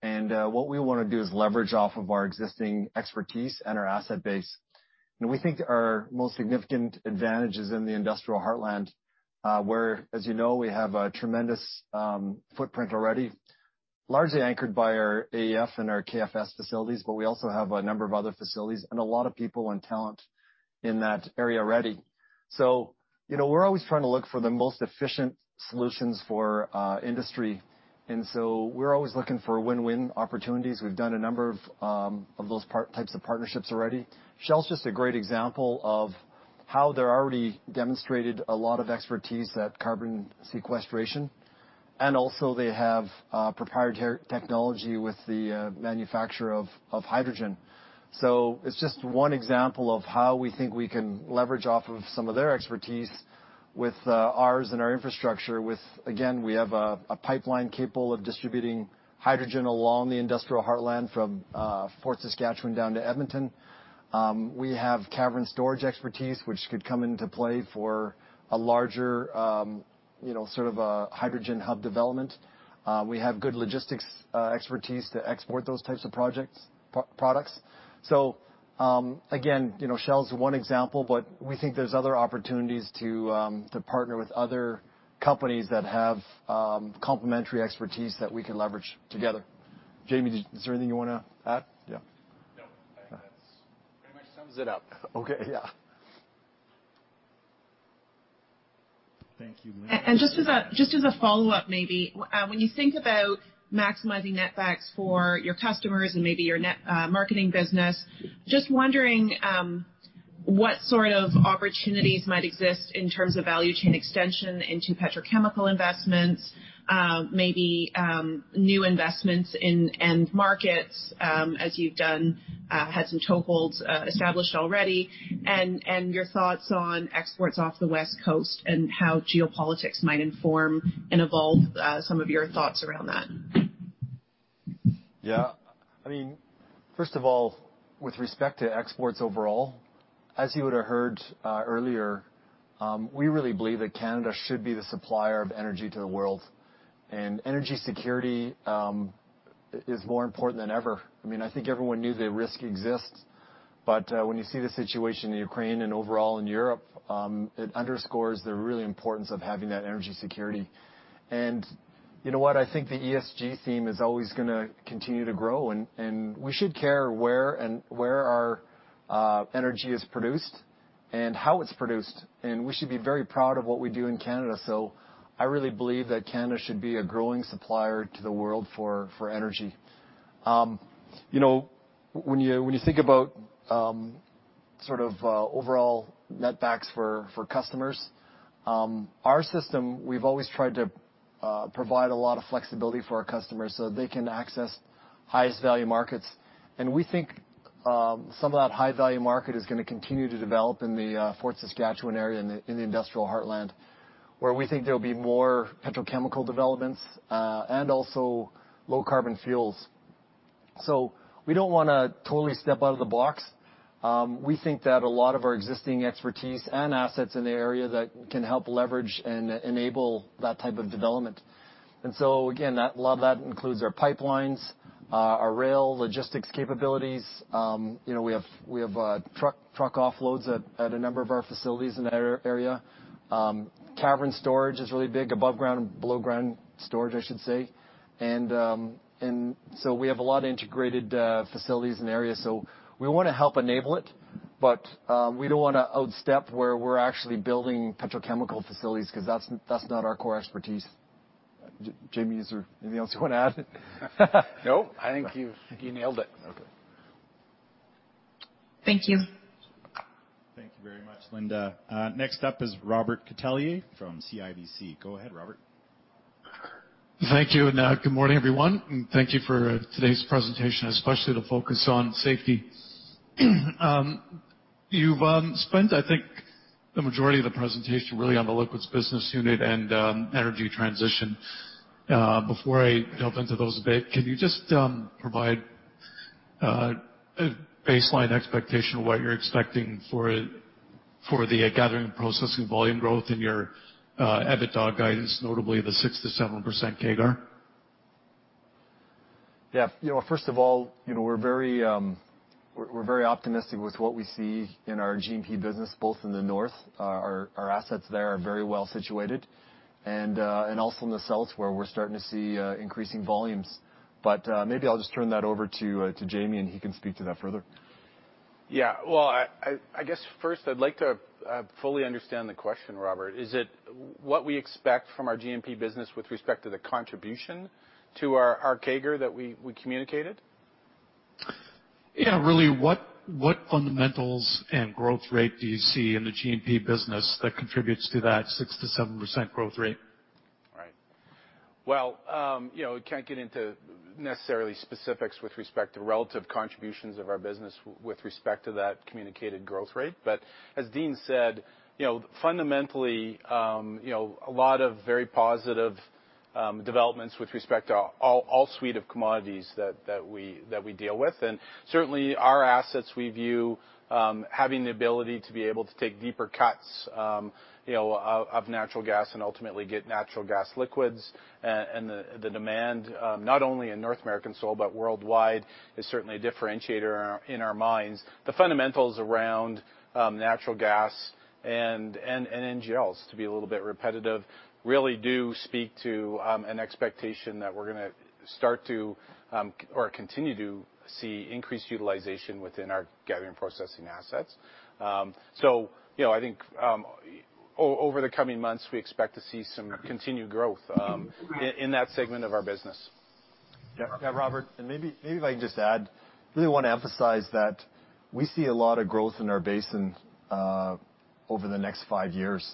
What we wanna do is leverage off of our existing expertise and our asset base. We think our most significant advantage is in the Industrial Heartland, where, as you know, we have a tremendous footprint already, largely anchored by our AEF and our KFS facilities, but we also have a number of other facilities and a lot of people and talent in that area already. You know, we're always trying to look for the most efficient solutions for industry. We're always looking for win-win opportunities. We've done a number of those types of partnerships already. Shell is just a great example of how they're already demonstrated a lot of expertise at carbon sequestration, and also they have proprietary technology with the manufacture of hydrogen. It's just one example of how we think we can leverage off of some of their expertise with ours and our infrastructure. Again, we have a pipeline capable of distributing hydrogen along the industrial heartland from Fort Saskatchewan down to Edmonton. We have cavern storage expertise, which could come into play for a larger sort of a hydrogen hub development. We have good logistics expertise to export those types of products. Again, you know, Shell's one example, but we think there's other opportunities to partner with other companies that have complementary expertise that we could leverage together. Jamie, is there anything you wanna add? Yeah.
No, I think that's pretty much sums it up.
Okay. Yeah.
Thank you.
Just as a follow-up maybe, when you think about maximizing netbacks for your customers and maybe your marketing business, just wondering what sort of opportunities might exist in terms of value chain extension into petrochemical investments, maybe new investments in end markets, as you've done had some toeholds established already, and your thoughts on exports off the West Coast and how geopolitics might inform and evolve some of your thoughts around that.
Yeah. I mean, first of all, with respect to exports overall, as you would've heard earlier, we really believe that Canada should be the supplier of energy to the world, and energy security is more important than ever. I mean, I think everyone knew the risk exists, but when you see the situation in Ukraine and overall in Europe, it underscores the real importance of having that energy security. You know what? I think the ESG theme is always gonna continue to grow, and we should care where our energy is produced and how it's produced, and we should be very proud of what we do in Canada. I really believe that Canada should be a growing supplier to the world for energy. You know, when you think about sort of overall netbacks for customers, our system, we've always tried to provide a lot of flexibility for our customers, so they can access highest value markets. We think some of that high-value market is gonna continue to develop in the Fort Saskatchewan area in the industrial heartland, where we think there'll be more petrochemical developments, and also low carbon fuels. We don't wanna totally step out of the box. We think that a lot of our existing expertise and assets in the area that can help leverage and enable that type of development. Again, that a lot of that includes our pipelines, our rail logistics capabilities. You know, we have truck offloads at a number of our facilities in that area. Cavern storage is really big. Above ground, below ground storage, I should say. We have a lot of integrated facilities in the area, so we wanna help enable it, but we don't wanna overstep where we're actually building petrochemical facilities 'cause that's not our core expertise. Jamie, is there anything else you wanna add?
No, I think you nailed it.
Okay.
Thank you.
Thank you very much, Linda. Next up is Robert Catellier from CIBC. Go ahead, Robert.
Thank you, and good morning, everyone, and thank you for today's presentation, especially the focus on safety. You've spent, I think, the majority of the presentation really on the liquids business unit and energy transition. Before I delve into those a bit, can you just provide a baseline expectation of what you're expecting for the Gathering and Processing volume growth in your EBITDA guidance, notably the 6%-7% CAGR?
Yeah. You know, first of all, you know, we're very optimistic with what we see in our G&P business, both in the north, our assets there are very well situated. Also in the south, where we're starting to see increasing volumes. Maybe I'll just turn that over to Jamie, and he can speak to that further.
Well, I guess first I'd like to fully understand the question, Robert. Is it what we expect from our G&P business with respect to the contribution to our CAGR that we communicated?
Yeah, really what fundamentals and growth rate do you see in the G&P business that contributes to that 6%-7% growth rate?
Right. Well, you know, we can't get into necessarily specifics with respect to relative contributions of our business with respect to that communicated growth rate. But as Dean said, you know, fundamentally, you know, a lot of very positive developments with respect to all suite of commodities that we deal with. And certainly, our assets we view having the ability to be able to take deeper cuts, you know, of natural gas and ultimately get natural gas liquids. And the demand not only in North American soil but worldwide is certainly a differentiator in our minds. The fundamentals around natural gas and NGLs, to be a little bit repetitive, really do speak to an expectation that we're gonna start to or continue to see increased utilization within our Gathering and Processing assets. You know, I think over the coming months, we expect to see some continued growth in that segment of our business.
Yeah, Robert, maybe if I can just add, I really want to emphasize that we see a lot of growth in our basin over the next five years.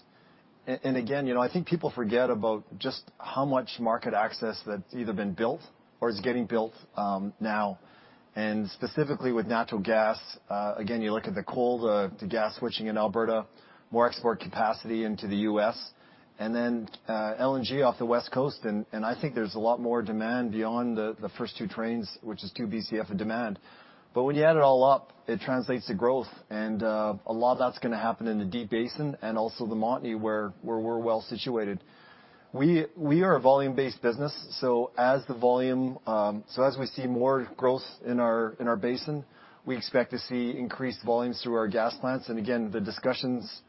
Again, you know, I think people forget about just how much market access that's either been built or is getting built now, and specifically with natural gas, again, you look at the coal to gas switching in Alberta, more export capacity into the U.S., and then LNG off the West Coast. I think there's a lot more demand beyond the first two trains, which is two BCF of demand. When you add it all up, it translates to growth. A lot of that's gonna happen in the Deep Basin and also the Montney, where we're well situated. We are a volume-based business, so as the volume. As we see more growth in our basin, we expect to see increased volumes through our gas plants. Again, the discussions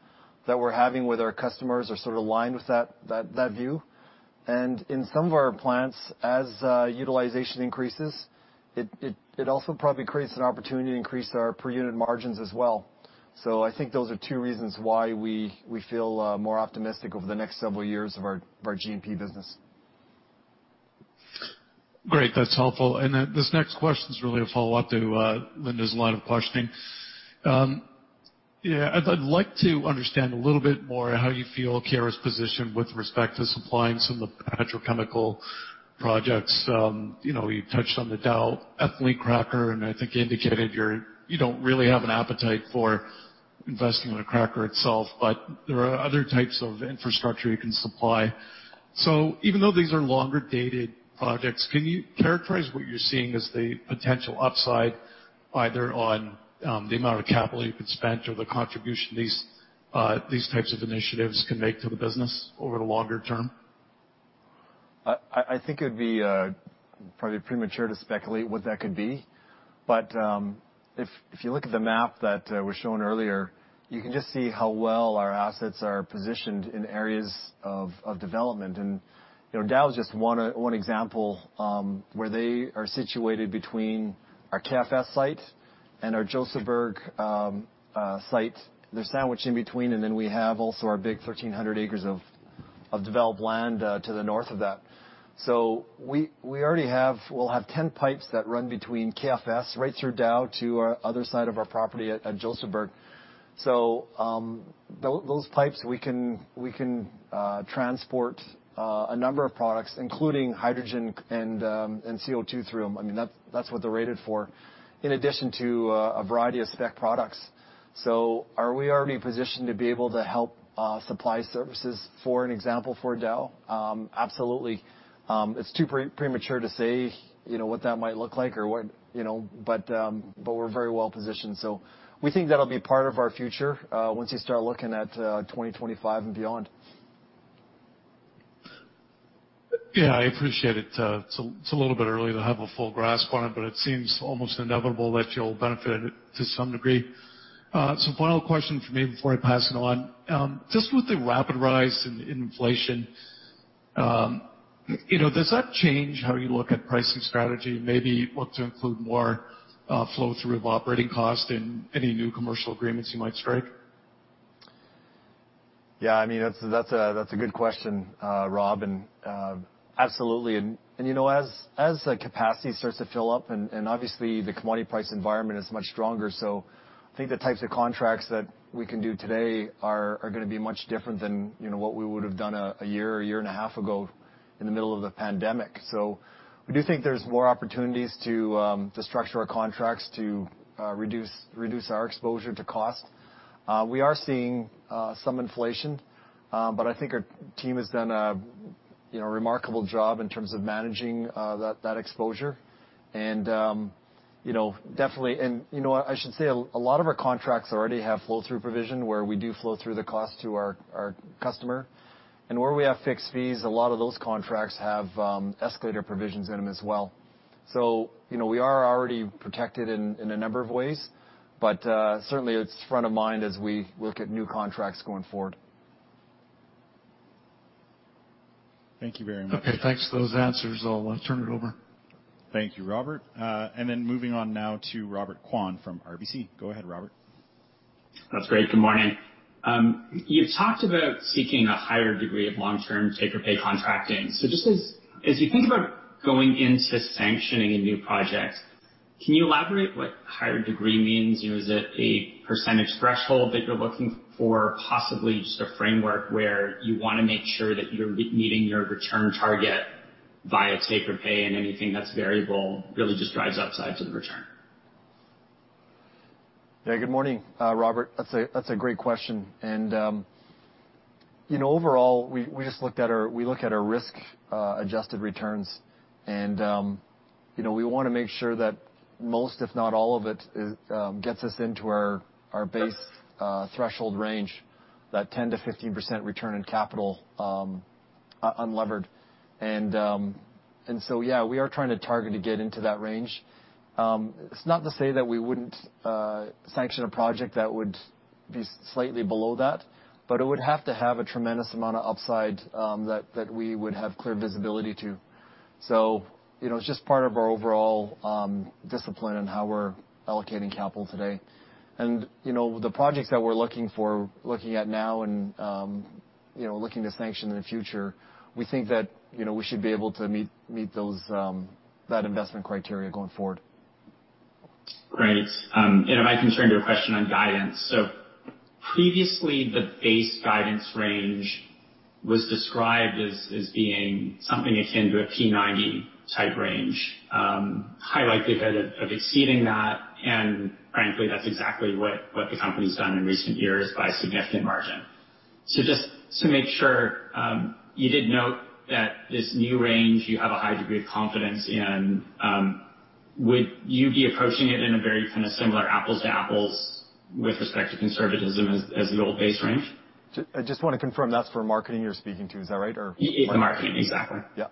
that we're having with our customers are sort of aligned with that view. In some of our plants, as utilization increases, it also probably creates an opportunity to increase our per unit margins as well. I think those are two reasons why we feel more optimistic over the next several years of our G&P business.
Great. That's helpful. This next question is really a follow-up to Linda's line of questioning. Yeah, I'd like to understand a little bit more how you feel Keyera's positioned with respect to supplying some of the petrochemical projects. You know, you've touched on the Dow ethylene cracker, and I think you indicated you don't really have an appetite for investing in a cracker itself, but there are other types of infrastructure you can supply. Even though these are longer-dated projects, can you characterize what you're seeing as the potential upside, either on the amount of capital you could spend or the contribution these types of initiatives can make to the business over the longer term?
I think it would be probably premature to speculate what that could be. If you look at the map that was shown earlier, you can just see how well our assets are positioned in areas of development. You know, Dow is just one example, where they are situated between our KFS site and our Josephburg site. They're sandwiched in between, and then we have also our big 1,300 acres of developed land to the north of that. We already have. We'll have 10 pipes that run between KFS right through Dow to our other side of our property at Josephburg. Those pipes, we can transport a number of products, including hydrogen and CO2 through them. I mean, that's what they're rated for, in addition to a variety of spec products. Are we already positioned to be able to help supply services, for example, for Dow? Absolutely. It's too premature to say, you know, what that might look like or what, you know, but we're very well positioned. We think that'll be part of our future once you start looking at 2025 and beyond.
Yeah, I appreciate it. It's a little bit early to have a full grasp on it, but it seems almost inevitable that you'll benefit to some degree. Final question from me before I pass it on. Just with the rapid rise in inflation, you know, does that change how you look at pricing strategy and maybe look to include more flow-through of operating cost in any new commercial agreements you might strike?
Yeah, I mean, that's a good question, Rob, absolutely. You know, as the capacity starts to fill up and obviously the commodity price environment is much stronger, so I think the types of contracts that we can do today are gonna be much different than what we would have done a year or year and a half ago in the middle of the pandemic. So we do think there's more opportunities to structure our contracts to reduce our exposure to cost. We are seeing some inflation, but I think our team has done a remarkable job in terms of managing that exposure. You know, definitely. You know what, I should say a lot of our contracts already have flow-through provision, where we do flow through the cost to our customer. Where we have fixed fees, a lot of those contracts have escalator provisions in them as well. You know, we are already protected in a number of ways, but certainly it's front of mind as we look at new contracts going forward.
Thank you very much.
Okay, thanks for those answers. I'll turn it over.
Thank you, Robert. Moving on now to Robert Kwan from RBC. Go ahead, Robert.
That's great. Good morning. You've talked about seeking a higher degree of long-term take-or-pay contracting. Just as you think about going into sanctioning a new project, can you elaborate what higher degree means? You know, is it a percentage threshold that you're looking for? Possibly just a framework where you wanna make sure that you're meeting your return target via take-or-pay and anything that's variable really just drives upside to the return.
Yeah. Good morning, Robert. That's a great question. You know, overall, we look at our risk adjusted returns, and you know, we want to make sure that most, if not all of it, gets us into our base threshold range, that 10%-15% return on capital, unlevered. Yeah, we are trying to target to get into that range. It's not to say that we wouldn't sanction a project that would be slightly below that, but it would have to have a tremendous amount of upside, that we would have clear visibility to. You know, it's just part of our overall discipline and how we're allocating capital today. You know, the projects that we're looking at now and looking to sanction in the future, we think that, you know, we should be able to meet those investment criteria going forward.
Great. If I can turn to a question on guidance. Previously, the base guidance range was described as being something akin to a T90 type range, high likelihood of exceeding that, and frankly, that's exactly what the company's done in recent years by a significant margin. Just to make sure, you did note that this new range you have a high degree of confidence in, would you be approaching it in a very kind of similar apples to apples with respect to conservatism as the old base range?
I just wanna confirm, that's for Marketing you're speaking to. Is that right? Or-
Yeah. Marketing. Exactly.
Yeah.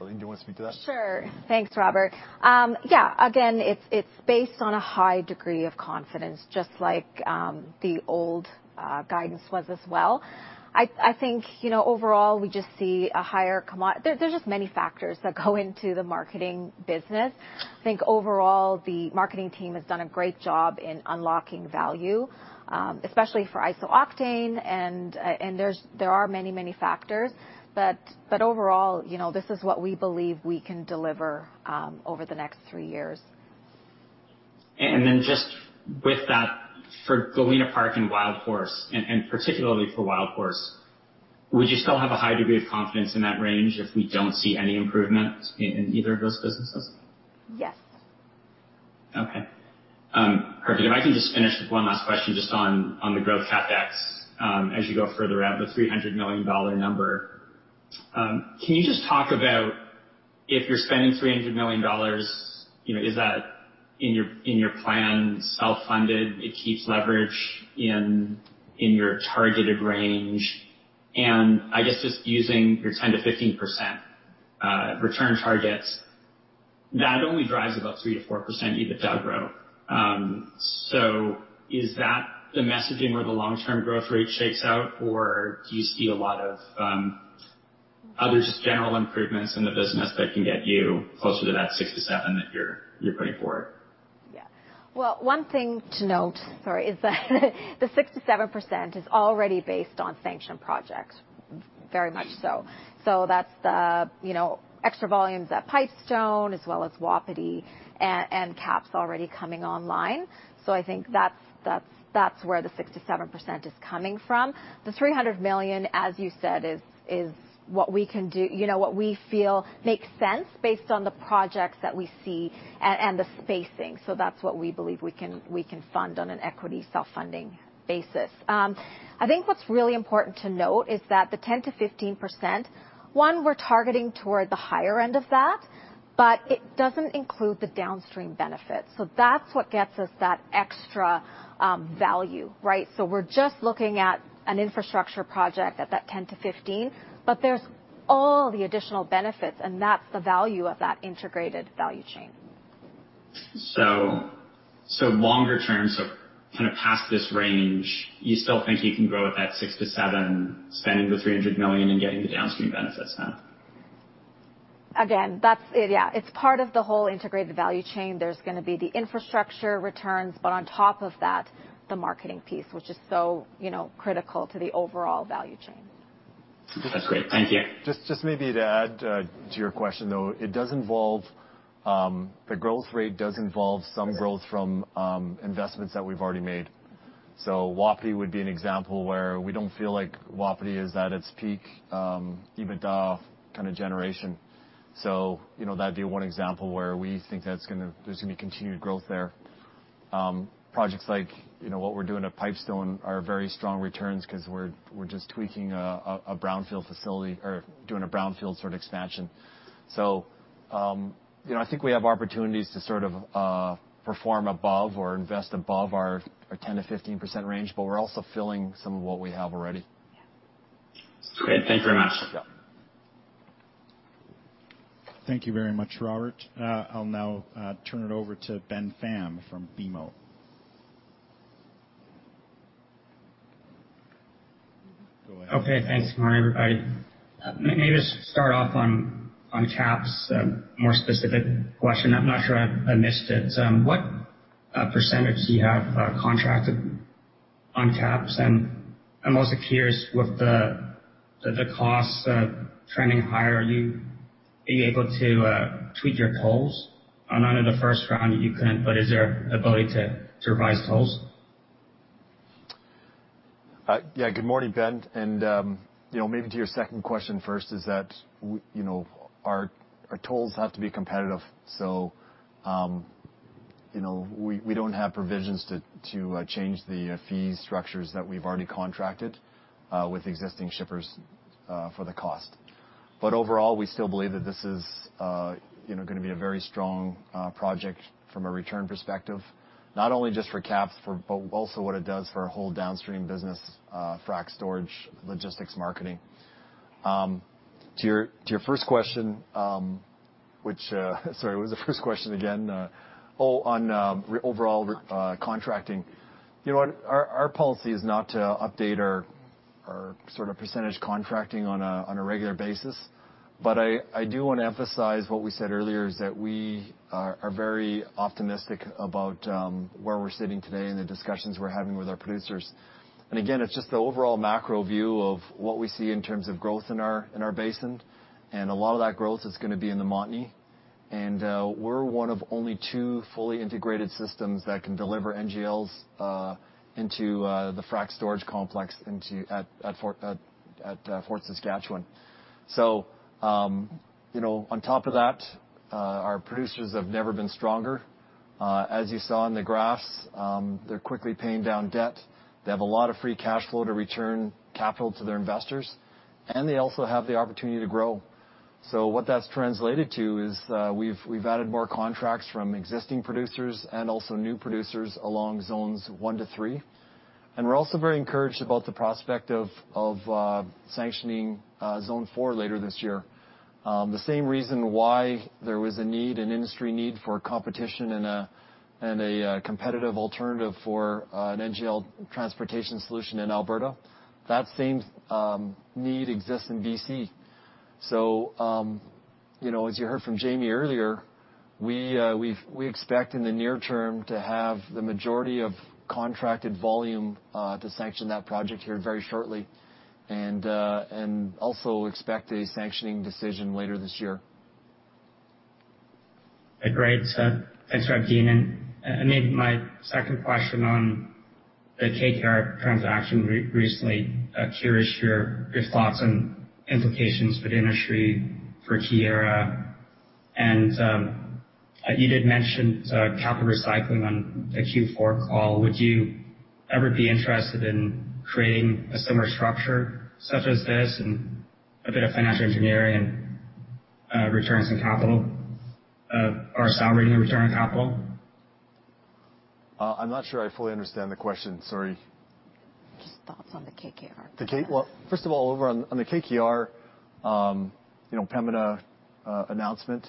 Eileen, do you wanna speak to that?
Sure. Thanks, Robert. Yeah. Again, it's based on a high degree of confidence, just like the old guidance was as well. I think, you know, overall, we just see a higher. There are just many factors that go into the marketing business. I think overall, the marketing team has done a great job in unlocking value, especially for iso-octane. There are many factors. But overall, you know, this is what we believe we can deliver over the next three years.
Just with that for Galena Park and Wildhorse, and particularly for Wildhorse, would you still have a high degree of confidence in that range if we don't see any improvement in either of those businesses?
Yes.
Okay. Perfect. If I can just finish with one last question just on the growth CapEx, as you go further out, the 300 million dollar number. Can you just talk about if you're spending 300 million dollars, you know, is that in your plan self-funded, it keeps leverage in your targeted range? And I guess just using your 10%-15% return targets, that only drives about 3%-4% EBITDA growth. So is that the messaging where the long-term growth rate shakes out, or do you see a lot of other just general improvements in the business that can get you closer to that 6%-7% that you're putting forward?
Yeah. Well, one thing to note, sorry, is that the 6%-7% is already based on sanctioned projects, very much so. That's the, you know, extra volumes at Pipestone as well as Wapiti and KAPS already coming online. I think that's where the 6%-7% is coming from. The 300 million, as you said, is what we can do, you know, what we feel makes sense based on the projects that we see and the spacing. That's what we believe we can fund on an equity self-funding basis. I think what's really important to note is that the 10%-15%, one, we're targeting toward the higher end of that, but it doesn't include the downstream benefits. That's what gets us that extra value, right? We're just looking at an infrastructure project at that 10%-15%, but there's all the additional benefits, and that's the value of that integrated value chain.
Longer term, so kind of past this range, you still think you can grow at that 6%-7%, spending the 300 million and getting the downstream benefits then?
It's part of the whole integrated value chain. There's gonna be the infrastructure returns, but on top of that, the marketing piece, which is so, you know, critical to the overall value chain.
That's great. Thank you.
Just maybe to add to your question, though, it does involve the growth rate does involve some growth from investments that we've already made. Wapiti would be an example where we don't feel like Wapiti is at its peak EBITDA kinda generation. You know, that'd be one example where we think there's gonna be continued growth there. Projects like you know what we're doing at Pipestone are very strong returns 'cause we're just tweaking a brownfield facility or doing a brownfield sort of expansion. You know, I think we have opportunities to sort of perform above or invest above our 10%-15% range, but we're also filling some of what we have already.
Yeah.
Great. Thank you very much.
Yeah.
Thank you very much, Robert. I'll now turn it over to Ben Pham from BMO. Go ahead.
Okay, thanks. Good morning, everybody. I may just start off on KAPS, a more specific question. I'm not sure I missed it. What percentage do you have contracted on KAPS? And what's up with the costs trending higher, are you able to tweak your tolls? I know in the first round you couldn't, but is there ability to revise tolls?
Yeah, good morning, Ben. Maybe to your second question first, that we you know, our tolls have to be competitive. We don't have provisions to change the fee structures that we've already contracted with existing shippers for the cost. Overall, we still believe that this is you know, gonna be a very strong project from a return perspective, not only just for KAPS but also what it does for our whole downstream business, KFS, storage, logistics, marketing. To your first question, sorry, what was the first question again? Oh, on overall re-contracting. You know what? Our policy is not to update our sort of percentage contracting on a regular basis. I do want to emphasize what we said earlier, is that we are very optimistic about where we're sitting today and the discussions we're having with our producers. Again, it's just the overall macro view of what we see in terms of growth in our basin. A lot of that growth is gonna be in the Montney. We're one of only two fully integrated systems that can deliver NGLs into the frac storage complex at Fort Saskatchewan. You know, on top of that, our producers have never been stronger. As you saw in the graphs, they're quickly paying down debt. They have a lot of free cash flow to return capital to their investors, and they also have the opportunity to grow. What that's translated to is we've added more contracts from existing producers and also new producers along zones 1-3. We're also very encouraged about the prospect of sanctioning Zone 4 later this year. The same reason why there was a need, an industry need for competition and a competitive alternative for an NGL transportation solution in Alberta, that same need exists in B.C. You know, as you heard from Jamie earlier, we expect in the near term to have the majority of contracted volume to sanction that project here very shortly, and also expect a sanctioning decision later this year.
Great. Thanks for that, Dean. Maybe my second question on the KKR transaction recently, curious your thoughts on implications for the industry for Keyera. You did mention capital recycling on the Q4 call. Would you ever be interested in creating a similar structure such as this and a bit of financial engineering and return of capital or accelerating the return of capital?
I'm not sure I fully understand the question, sorry.
Just thoughts on the KKR.
Well, first of all, over on the KKR, you know, Pembina announcement,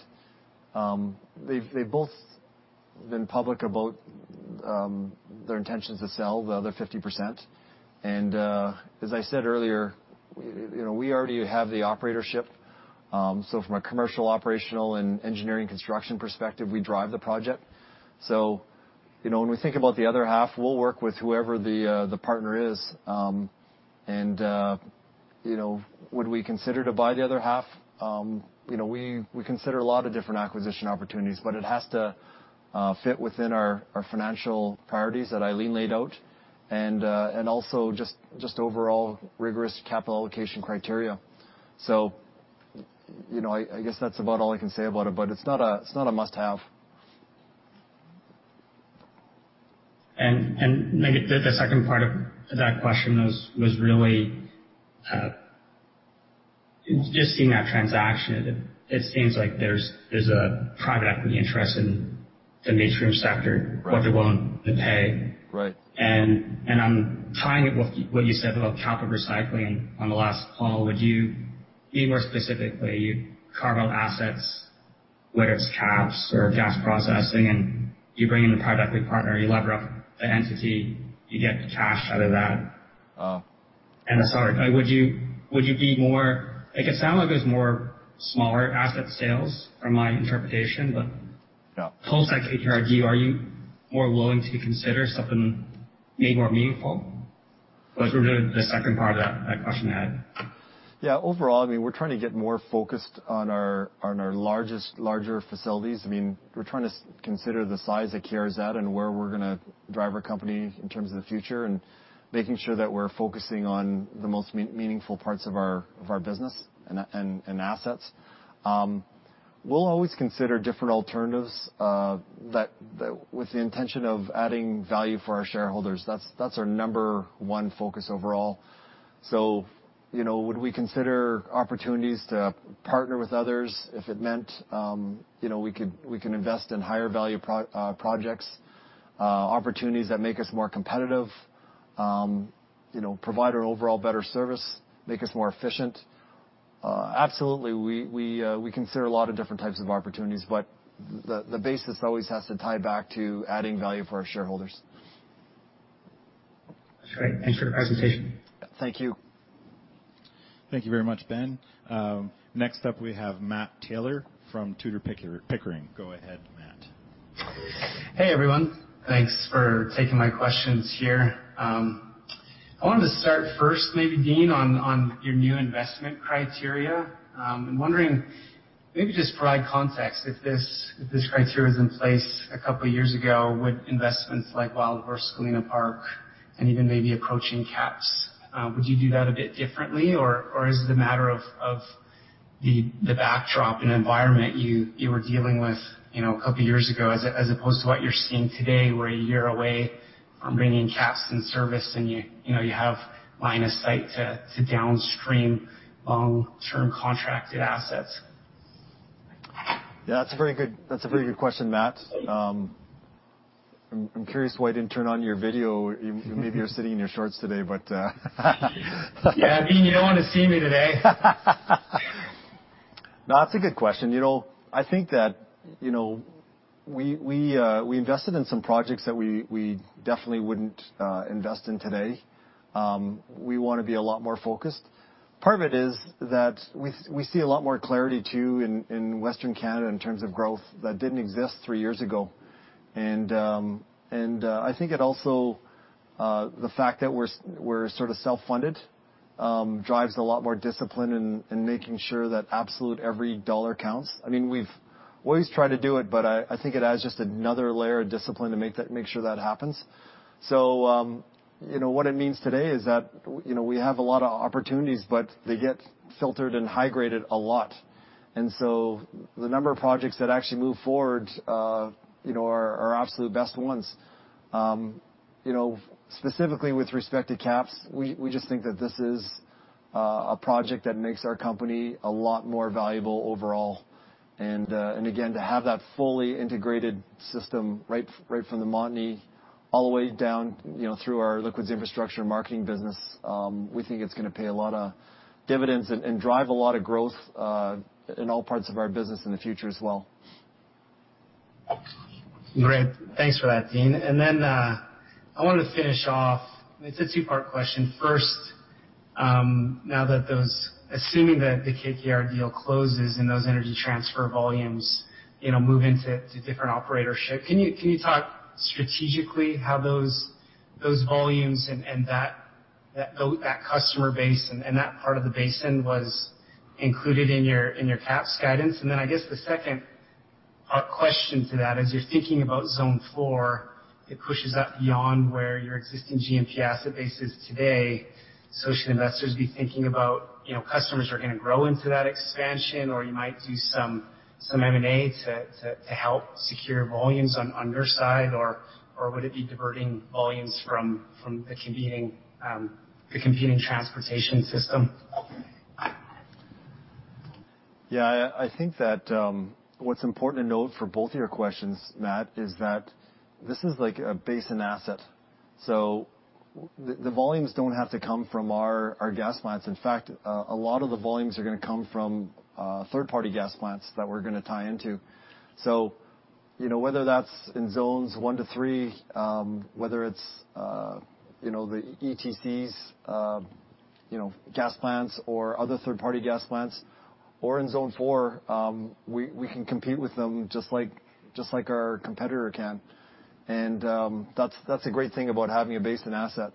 they've both been public about their intentions to sell the other 50%. As I said earlier, you know, we already have the operatorship. From a commercial, operational, and engineering construction perspective, we drive the project. You know, when we think about the other half, we'll work with whoever the partner is. You know, would we consider to buy the other half? You know, we consider a lot of different acquisition opportunities, but it has to fit within our financial priorities that Eileen laid out, and also just overall rigorous capital allocation criteria. You know, I guess that's about all I can say about it, but it's not a must-have.
Maybe the second part of that question was really just seeing that transaction. It seems like there's a private equity interest in the midstream sector.
Right.
What they're willing to pay.
Right.
I'm tying it with what you said about capital recycling on the last call. Would you be more specifically, you carve out assets, whether it's KAPS or gas processing, and you bring in a private equity partner, you lever up the entity, you get the cash out of that.
Oh.
Sorry, would you be more... It could sound like it's more smaller asset sales from my interpretation, but-
Yeah.
Post that KKR deal, are you more willing to consider something maybe more meaningful? Was really the second part of that question I had.
Yeah. Overall, I mean, we're trying to get more focused on our largest facilities. I mean, we're trying to consider the size that Keyera's at and where we're gonna drive our company in terms of the future, and making sure that we're focusing on the most meaningful parts of our business and assets. We'll always consider different alternatives with the intention of adding value for our shareholders. That's our number one focus overall. You know, would we consider opportunities to partner with others if it meant we can invest in higher value projects, opportunities that make us more competitive, you know, provide our overall better service, make us more efficient? Absolutely, we consider a lot of different types of opportunities, but the basis always has to tie back to adding value for our shareholders.
That's great. Thanks for the presentation. Thank you.
Thank you very much, Ben. Next up we have Matt Taylor from Tudor, Pickering. Go ahead, Matt.
Hey, everyone. Thanks for taking my questions here. I wanted to start first maybe, Dean, on your new investment criteria. I'm wondering, maybe just provide context if this criteria is in place a couple years ago with investments like Wildhorse, Galena Park, and even maybe approaching KAPS. Would you do that a bit differently or is it a matter of the backdrop and environment you were dealing with, you know, a couple years ago as opposed to what you're seeing today, where you're a year away from bringing KAPS in service and you know you have line of sight to downstream long-term contracted assets?
Yeah, that's a very good question, Matt. I'm curious why you didn't turn on your video. Maybe you're sitting in your shorts today, but.
Yeah, Dean, you don't wanna see me today.
No, that's a good question. I think that we invested in some projects that we definitely wouldn't invest in today. We wanna be a lot more focused. Part of it is that we see a lot more clarity, too, in Western Canada in terms of growth that didn't exist three years ago. I think it also the fact that we're sorta self-funded drives a lot more discipline in making sure that absolutely every dollar counts. I mean, we've always tried to do it, but I think it adds just another layer of discipline to make sure that happens. What it means today is that we have a lot of opportunities, but they get filtered and high-graded a lot. The number of projects that actually move forward, you know, are our absolute best ones. You know, specifically with respect to KAPS, we just think that this is a project that makes our company a lot more valuable overall. To have that fully integrated system right from the Montney all the way down, you know, through our Liquids Infrastructure and Marketing business, we think it's gonna pay a lot of dividends and drive a lot of growth in all parts of our business in the future as well.
Great. Thanks for that, Dean. I wanted to finish off. It's a two-part question. First, now that those. Assuming that the KKR deal closes and those Energy Transfer volumes, you know, move into different operatorship, can you talk strategically how those volumes and that customer base and that part of the basin was included in your capex guidance? I guess the second question to that, as you're thinking about Zone 4, it pushes up beyond where your existing G&P asset base is today. Should investors be thinking about, you know, customers are gonna grow into that expansion, or you might do some M&A to help secure volumes on the upside, or would it be diverting volumes from the competing transportation system?
I think that what's important to note for both of your questions, Matt, is that this is like a basin asset, so the volumes don't have to come from our gas plants. In fact, a lot of the volumes are gonna come from third-party gas plants that we're gonna tie into. You know, whether that's in zones 1-3, whether it's you know, the ETCs, you know, gas plants or other third-party gas plants or in Zone 4, we can compete with them just like our competitor can. That's a great thing about having a basin asset.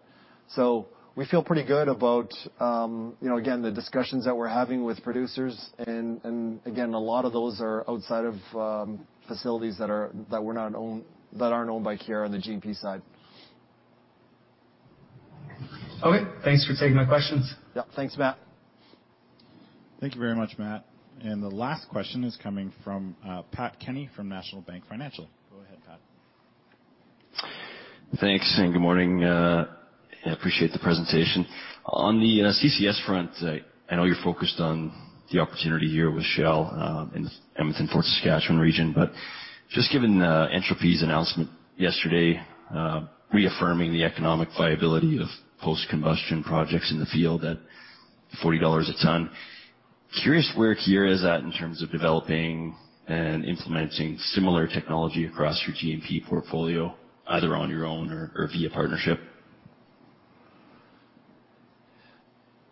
We feel pretty good about you know, again, the discussions that we're having with producers. Again, a lot of those are outside of facilities that aren't owned by Keyera on the G&P side.
Okay. Thanks for taking my questions.
Yeah. Thanks, Matt.
Thank you very much, Matt. The last question is coming from Pat Kenny from National Bank Financial. Go ahead, Pat.
Thanks, and good morning. Appreciate the presentation. On the CCS front, I know you're focused on the opportunity here with Shell in the Edmonton, Fort Saskatchewan region. Just given Entropy's announcement yesterday reaffirming the economic viability of post-combustion projects in the field at 40 dollars a ton, curious where Keyera is at in terms of developing and implementing similar technology across your G&P portfolio, either on your own or via partnership?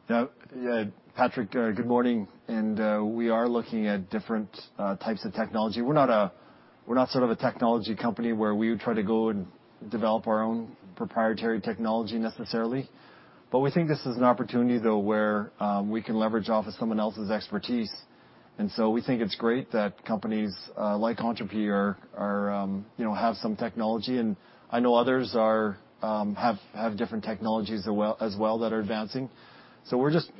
Yeah. Yeah, Patrick, good morning. We are looking at different types of technology. We're not sort of a technology company where we would try to go and develop our own proprietary technology necessarily, but we think this is an opportunity, though, where we can leverage off of someone else's expertise. We think it's great that companies like Entropy are, you know, have some technology, and I know others have different technologies as well that are advancing. We're just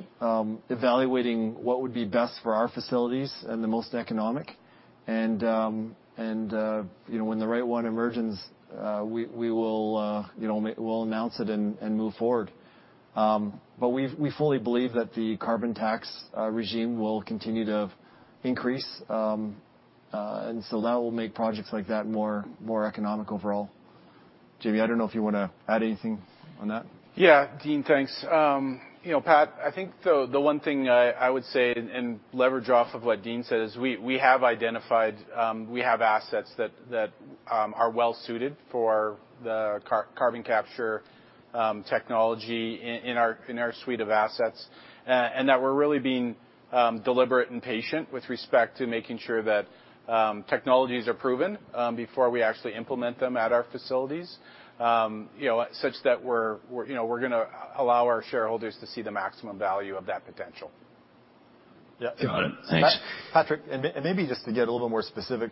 evaluating what would be best for our facilities and the most economic. You know, when the right one emerges, we will, you know, we'll announce it and move forward. We fully believe that the carbon tax regime will continue to increase. That will make projects like that more economic overall. Jamie, I don't know if you wanna add anything on that.
Yeah. Dean, thanks. You know, Pat, I think the one thing I would say and leverage off of what Dean said is we have identified assets that are well suited for the carbon capture technology in our suite of assets. And that we're really being deliberate and patient with respect to making sure that technologies are proven before we actually implement them at our facilities. You know, such that we're gonna allow our shareholders to see the maximum value of that potential.
Got it. Thanks.
Patrick, and maybe just to get a little more specific,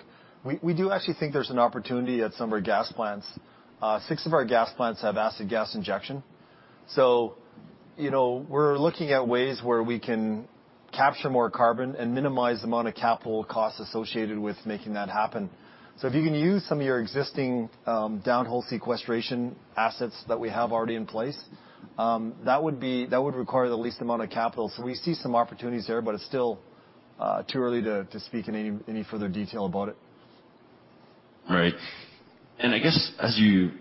we do actually think there's an opportunity at some of our gas plants. Six of our gas plants have acid gas injection. You know, we're looking at ways where we can capture more carbon and minimize the amount of capital costs associated with making that happen. If you can use some of your existing downhole sequestration assets that we have already in place, that would require the least amount of capital. We see some opportunities there, but it's still too early to speak in any further detail about it.
Right. I guess as you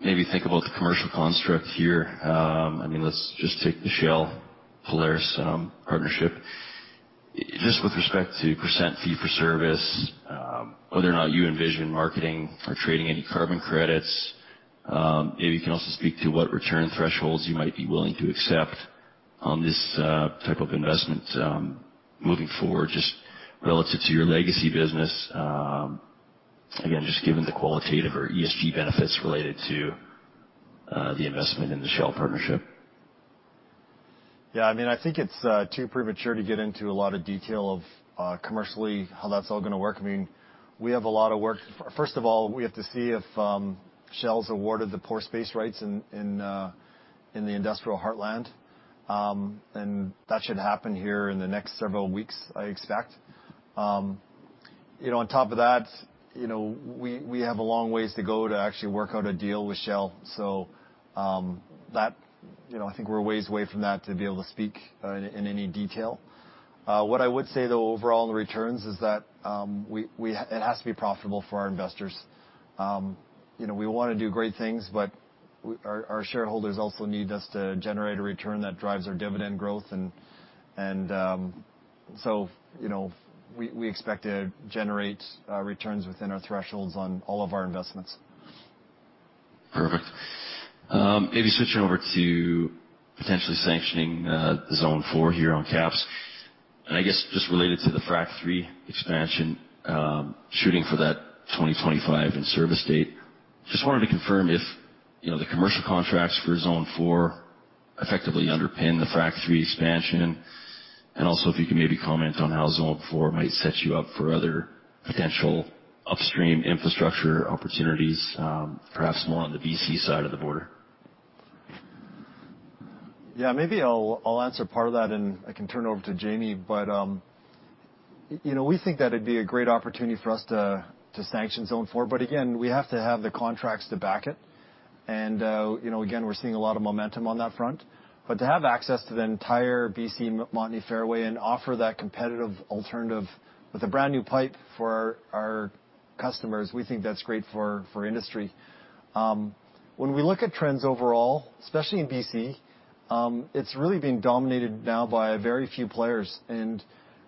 maybe think about the commercial construct here, I mean, let's just take the Shell Polaris partnership. Just with respect to fee-for-service, whether or not you envision marketing or trading any carbon credits, maybe you can also speak to what return thresholds you might be willing to accept on this type of investment moving forward, just relative to your legacy business, again, just given the qualitative or ESG benefits related to the investment in the Shell partnership.
Yeah, I mean, I think it's too premature to get into a lot of detail of commercially how that's all gonna work. I mean, we have a lot of work. First of all, we have to see if Shell's awarded the pore space rights in the Industrial Heartland. You know, on top of that, you know, we have a long ways to go to actually work out a deal with Shell. You know, I think we're a ways away from that to be able to speak in any detail. What I would say, though, overall in the returns is that it has to be profitable for our investors. You know, we wanna do great things, but our shareholders also need us to generate a return that drives our dividend growth. You know, we expect to generate returns within our thresholds on all of our investments.
Perfect. Maybe switching over to potentially sanctioning Zone 4 here on KAPS. I guess just related to the Frac III expansion, shooting for that 2025 in-service date, just wanted to confirm if, you know, the commercial contracts for Zone 4 effectively underpin the Frac III expansion. Also if you could maybe comment on how Zone 4 might set you up for other potential upstream infrastructure opportunities, perhaps more on the B.C. side of the border.
Yeah. Maybe I'll answer part of that, and I can turn it over to Jamie. We think that it'd be a great opportunity for us to sanction Zone 4. Again, we have to have the contracts to back it. You know, again, we're seeing a lot of momentum on that front. To have access to the entire B.C. Montney fairway and offer that competitive alternative with a brand-new pipe for our customers, we think that's great for industry. When we look at trends overall, especially in B.C., it's really being dominated now by a very few players.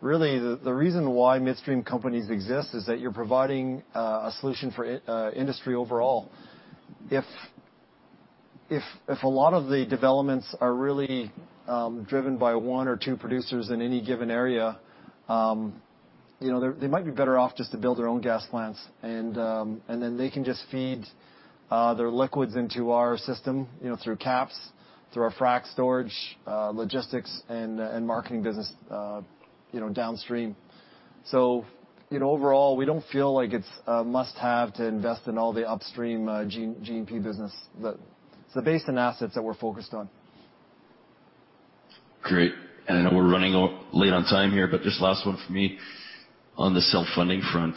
Really, the reason why midstream companies exist is that you're providing a solution for industry overall. If a lot of the developments are really driven by one or two producers in any given area, you know, they might be better off just to build their own gas plants and then they can just feed their liquids into our system, you know, through KAPS, through our KFS storage, logistics and marketing business, you know, downstream. You know, overall, we don't feel like it's a must-have to invest in all the upstream G&P business. It's the basin assets that we're focused on.
Great. I know we're running a little late on time here, but just last one for me. On the self-funding front,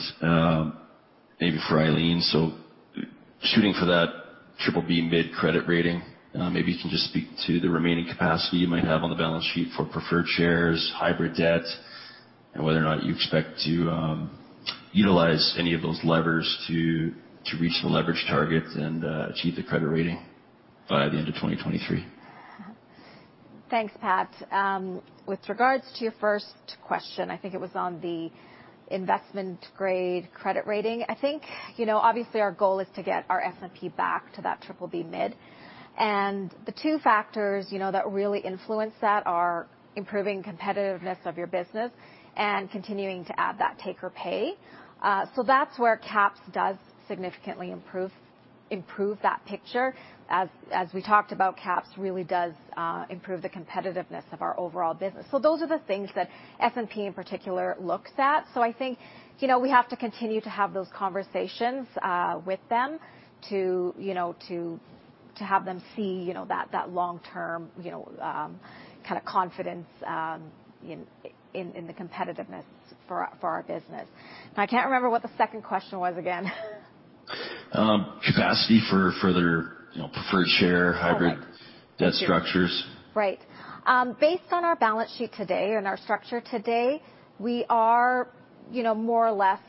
maybe for Eileen. Shooting for that BBB mid credit rating, maybe you can just speak to the remaining capacity you might have on the balance sheet for preferred shares, hybrid debt, and whether or not you expect to utilize any of those levers to reach the leverage target and achieve the credit rating by the end of 2023.
Thanks, Pat. With regards to your first question, I think it was on the investment-grade credit rating. I think, you know, obviously, our goal is to get our S&P back to that BBB mid. The two factors, you know, that really influence that are improving competitiveness of your business and continuing to add that take-or-pay. That's where KAPS does significantly improve that picture. As we talked about, KAPS really does improve the competitiveness of our overall business. Those are the things that S&P in particular looks at. I think, you know, we have to continue to have those conversations with them to, you know, to have them see, you know, that long-term, you know, kinda confidence in the competitiveness for our business. Now, I can't remember what the second question was again.
capacity for further, you know, preferred share-
Oh, right.
Hybrid debt structures.
Right. Based on our balance sheet today and our structure today, we are, you know, more or less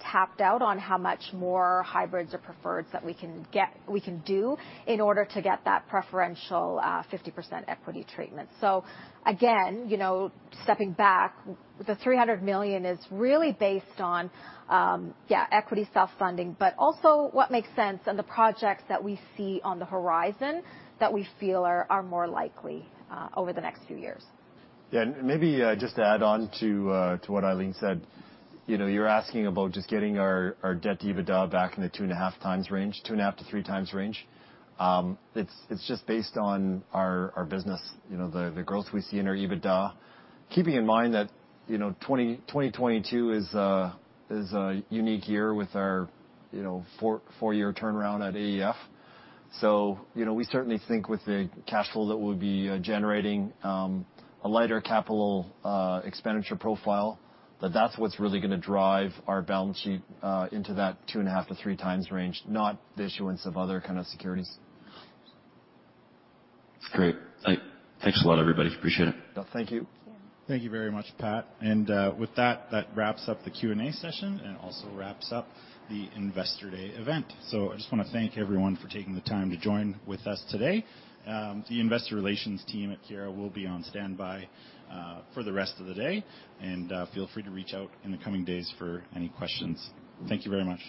tapped out on how much more hybrids or preferreds that we can do in order to get that preferential 50% equity treatment. Again, you know, stepping back, the 300 million is really based on equity self-funding, but also what makes sense and the projects that we see on the horizon that we feel are more likely over the next few years.
Yeah. Maybe just to add on to what Eileen said. You know, you're asking about just getting our debt to EBITDA back in the 2.5x range, 2.5x-3x range. It's just based on our business, you know, the growth we see in our EBITDA. Keeping in mind that, you know, 2022 is a unique year with our four-year turnaround at AEF. We certainly think with the cash flow that we'll be generating, a lighter capital expenditure profile, that's what's really gonna drive our balance sheet into that 2.5x-3x range, not the issuance of other kind of securities.
That's great. Thanks a lot, everybody. Appreciate it.
Yeah, thank you.
Yeah.
Thank you very much, Pat. With that wraps up the Q&A session and also wraps up the Investor Day event. I just wanna thank everyone for taking the time to join with us today. The investor relations team at Keyera will be on standby for the rest of the day. Feel free to reach out in the coming days for any questions. Thank you very much.